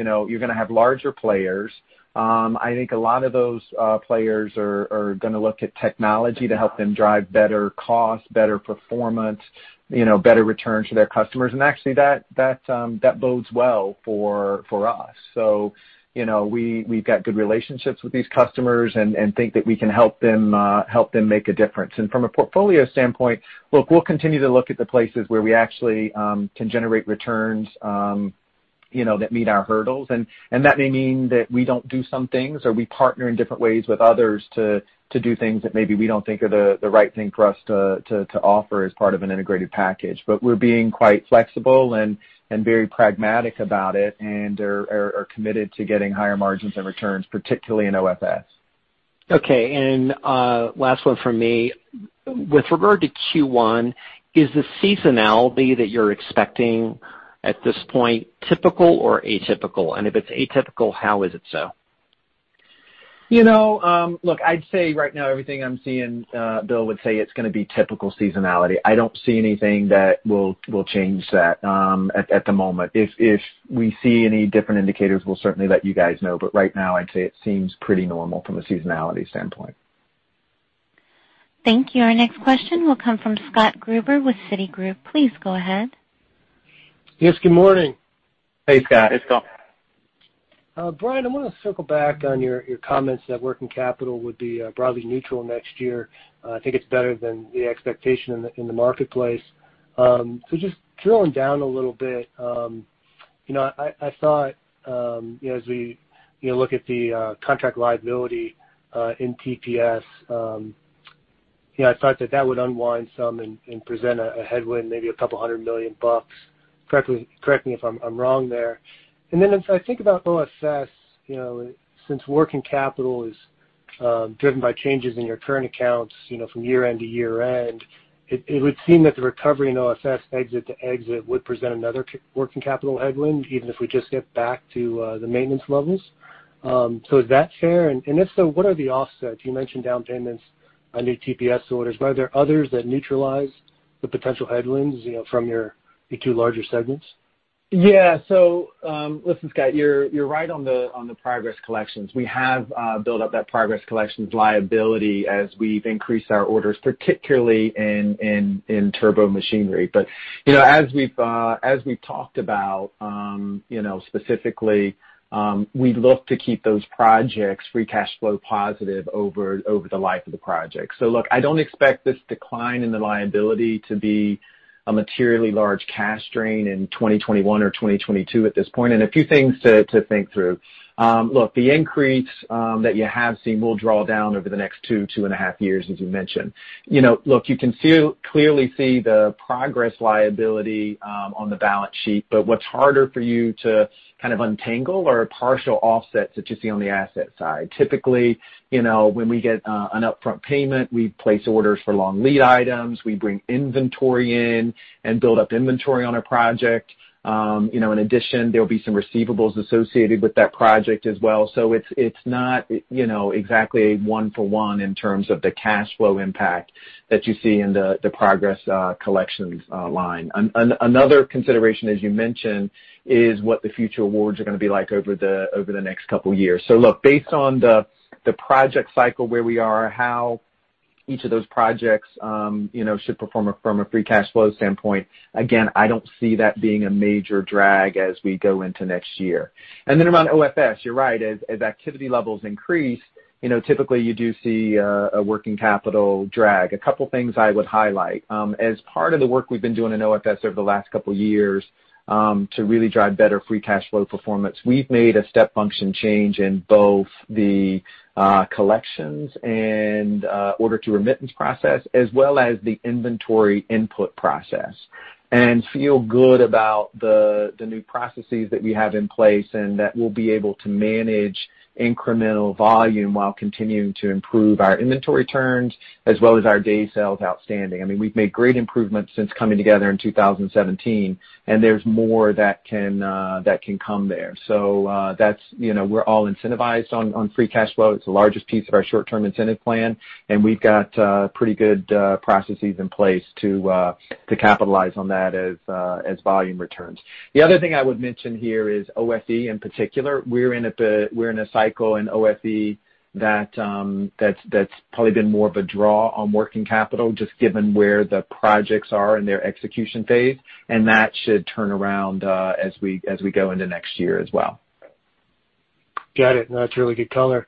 to have larger players. I think a lot of those players are going to look at technology to help them drive better cost, better performance, better return to their customers. Actually that bodes well for us. We've got good relationships with these customers and think that we can help them make a difference. From a portfolio standpoint, look, we'll continue to look at the places where we actually can generate returns that meet our hurdles. That may mean that we don't do some things or we partner in different ways with others to do things that maybe we don't think are the right thing for us to offer as part of an integrated package. We're being quite flexible and very pragmatic about it and are committed to getting higher margins and returns, particularly in OFS. Okay. Last one from me. With regard to Q1, is the seasonality that you're expecting at this point typical or atypical? If it's atypical, how is it so? Look, I'd say right now everything I'm seeing, Bill, would say it's going to be typical seasonality. I don't see anything that will change that at the moment. If we see any different indicators, we'll certainly let you guys know. Right now, I'd say it seems pretty normal from a seasonality standpoint. Thank you. Our next question will come from Scott Gruber with Citigroup. Please go ahead. Yes, good morning. Hey, Scott. Brian, I want to circle back on your comments that working capital would be broadly neutral next year. I think it's better than the expectation in the marketplace. Just drilling down a little bit, I thought as we look at the contract liability in TPS, I thought that that would unwind some and present a headwind, maybe a couple hundred million USD. Correct me if I'm wrong there. As I think about OFS, since working capital is driven by changes in your current accounts from year-end to year-end, it would seem that the recovery in OFS exit to exit would present another working capital headwind, even if we just get back to the maintenance levels. Is that fair? If so, what are the offsets? You mentioned down payments on new TPS orders. Are there others that neutralize the potential headwinds from your two larger segments? Yeah. Listen, Scott, you're right on the progress collections. We have built up that progress collections liability as we've increased our orders, particularly in Turbomachinery. As we've talked about specifically, we look to keep those projects free cash flow positive over the life of the project. Look, I don't expect this decline in the liability to be a materially large cash drain in 2021 or 2022 at this point. A few things to think through. Look, the increase that you have seen will draw down over the next two and a half years, as you mentioned. Look, you can clearly see the progress liability on the balance sheet, but what's harder for you to kind of untangle are partial offsets that you see on the asset side. Typically, when we get an upfront payment, we place orders for long lead items, we bring inventory in and build up inventory on a project. In addition, there will be some receivables associated with that project as well. It's not exactly one for one in terms of the cash flow impact that you see in the progress collections line. Another consideration, as you mentioned, is what the future awards are going to be like over the next couple of years. Look, based on the project cycle where we are, how each of those projects should perform from a free cash flow standpoint, again, I don't see that being a major drag as we go into next year. Around OFS, you're right. As activity levels increase, typically you do see a working capital drag. A couple of things I would highlight. As part of the work we've been doing in OFS over the last couple of years to really drive better free cash flow performance, we've made a step function change in both the collections and order to remittance process, as well as the inventory input process, and feel good about the new processes that we have in place and that we'll be able to manage incremental volume while continuing to improve our inventory turns as well as our day sales outstanding. I mean, we've made great improvements since coming together in 2017, and there's more that can come there. We're all incentivized on free cash flow. It's the largest piece of our short-term incentive plan, and we've got pretty good processes in place to capitalize on that as volume returns. The other thing I would mention here is OFE in particular. We're in a cycle in OFE that's probably been more of a draw on working capital, just given where the projects are in their execution phase. That should turn around as we go into next year as well. Got it. That's really good color.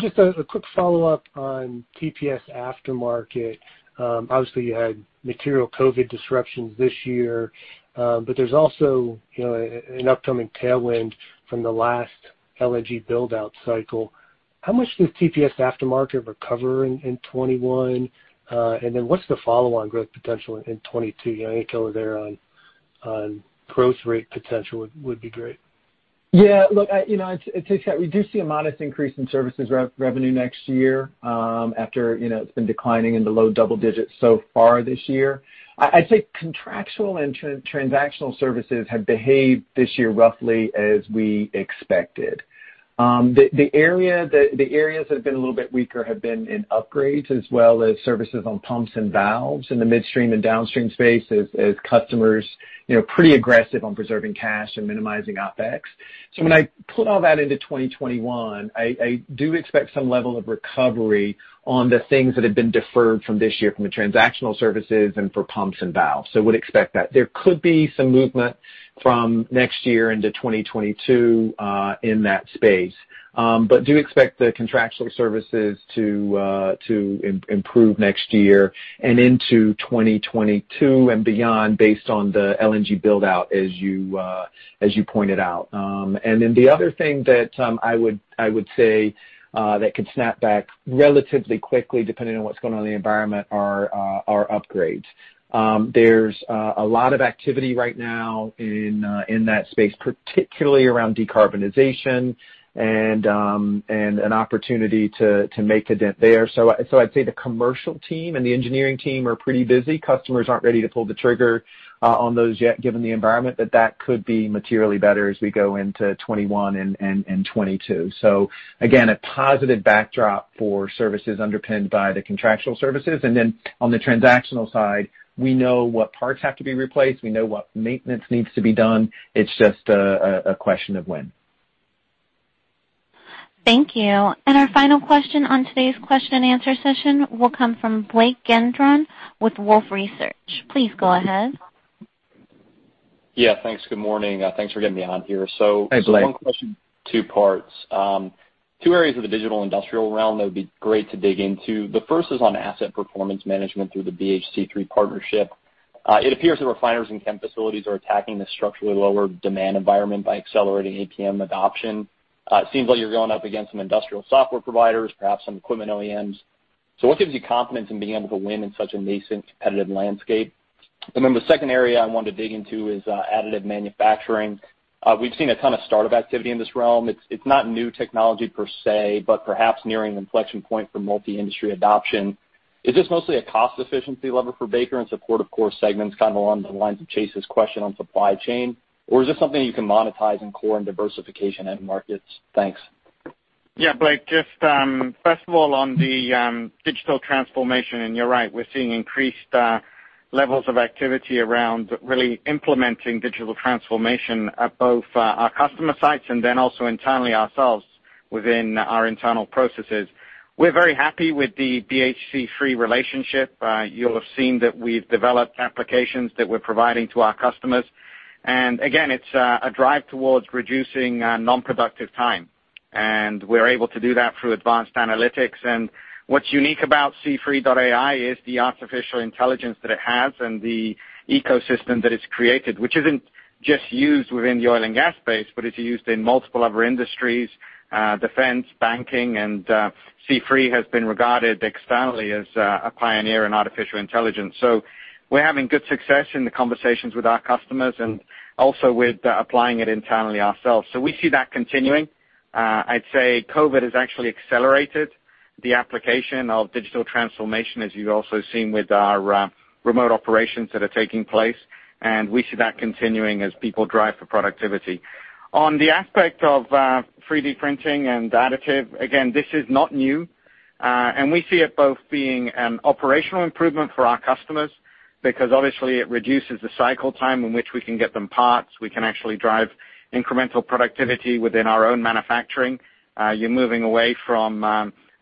Just a quick follow-up on TPS aftermarket. Obviously, you had material COVID-19 disruptions this year, but there's also an upcoming tailwind from the last LNG build-out cycle. How much does TPS aftermarket recover in 2021? What's the follow-on growth potential in 2022? Any color there on growth rate potential would be great. It takes that. We do see a modest increase in services revenue next year after it's been declining in the low double digits so far this year. I'd say contractual and transactional services have behaved this year roughly as we expected. The areas that have been a little bit weaker have been in upgrades as well as services on pumps and valves in the midstream and downstream space as customers pretty aggressive on preserving cash and minimizing OpEx. When I put all that into 2021, I do expect some level of recovery on the things that have been deferred from this year from a transactional services and for pumps and valves. Would expect that. There could be some movement from next year into 2022 in that space. Do expect the contractual services to improve next year and into 2022 and beyond based on the LNG build-out as you. As you pointed out. The other thing that I would say that could snap back relatively quickly, depending on what's going on in the environment, are upgrades. There's a lot of activity right now in that space, particularly around decarbonization and an opportunity to make a dent there. I'd say the commercial team and the engineering team are pretty busy. Customers aren't ready to pull the trigger on those yet given the environment, but that could be materially better as we go into 2021 and 2022. Again, a positive backdrop for services underpinned by the contractual services. On the transactional side, we know what parts have to be replaced, we know what maintenance needs to be done. It's just a question of when. Thank you. Our final question on today's question and answer session will come from Blake Gendron with Wolfe Research. Please go ahead. Yeah, thanks. Good morning. Thanks for getting me on here. Hey, Blake. One question, two parts. Two areas of the digital industrial realm that would be great to dig into. The first is on asset performance management through the BHC3 partnership. It appears that refiners and chem facilities are attacking the structurally lower demand environment by accelerating APM adoption. It seems like you're going up against some industrial software providers, perhaps some equipment OEMs. What gives you confidence in being able to win in such a nascent competitive landscape? The second area I wanted to dig into is additive manufacturing. We've seen a ton of startup activity in this realm. It's not new technology per se, but perhaps nearing an inflection point for multi-industry adoption. Is this mostly a cost efficiency lever for Baker in support of core segments, kind of along the lines of Chase's question on supply chain? Is this something you can monetize in core and diversification end markets? Thanks. Yeah, Blake, just first of all, on the digital transformation, you're right, we're seeing increased levels of activity around really implementing digital transformation at both our customer sites and then also internally ourselves within our internal processes. We're very happy with the BHC3 relationship. You'll have seen that we've developed applications that we're providing to our customers. Again, it's a drive towards reducing non-productive time. We're able to do that through advanced analytics. What's unique about C3.ai is the artificial intelligence that it has and the ecosystem that it's created, which isn't just used within the oil and gas space, but it's used in multiple other industries, defense, banking, C3 has been regarded externally as a pioneer in artificial intelligence. We're having good success in the conversations with our customers and also with applying it internally ourselves. We see that continuing. I'd say COVID has actually accelerated the application of digital transformation, as you've also seen with our remote operations that are taking place. We see that continuing as people drive for productivity. On the aspect of 3D printing and additive, again, this is not new. We see it both being an operational improvement for our customers because obviously it reduces the cycle time in which we can get them parts. We can actually drive incremental productivity within our own manufacturing. You're moving away from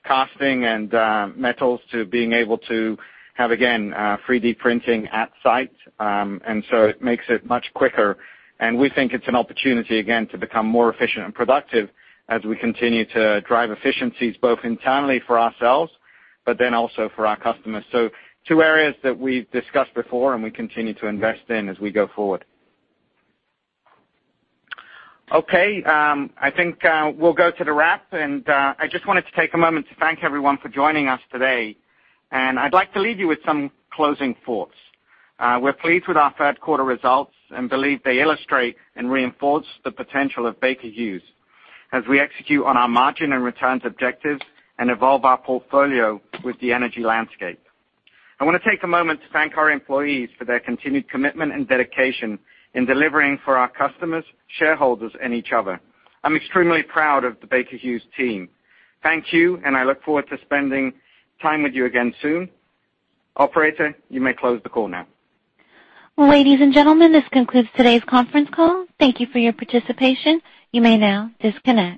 casting and metals to being able to have, again, 3D printing at site. It makes it much quicker. We think it's an opportunity, again, to become more efficient and productive as we continue to drive efficiencies both internally for ourselves, but then also for our customers. Two areas that we've discussed before and we continue to invest in as we go forward. Okay. I think we'll go to the wrap, and I just wanted to take a moment to thank everyone for joining us today, and I'd like to leave you with some closing thoughts. We're pleased with our third quarter results and believe they illustrate and reinforce the potential of Baker Hughes as we execute on our margin and returns objectives and evolve our portfolio with the energy landscape. I want to take a moment to thank our employees for their continued commitment and dedication in delivering for our customers, shareholders, and each other. I'm extremely proud of the Baker Hughes team. Thank you, and I look forward to spending time with you again soon. Operator, you may close the call now. Ladies and gentlemen, this concludes today's conference call. Thank you for your participation. You may now disconnect.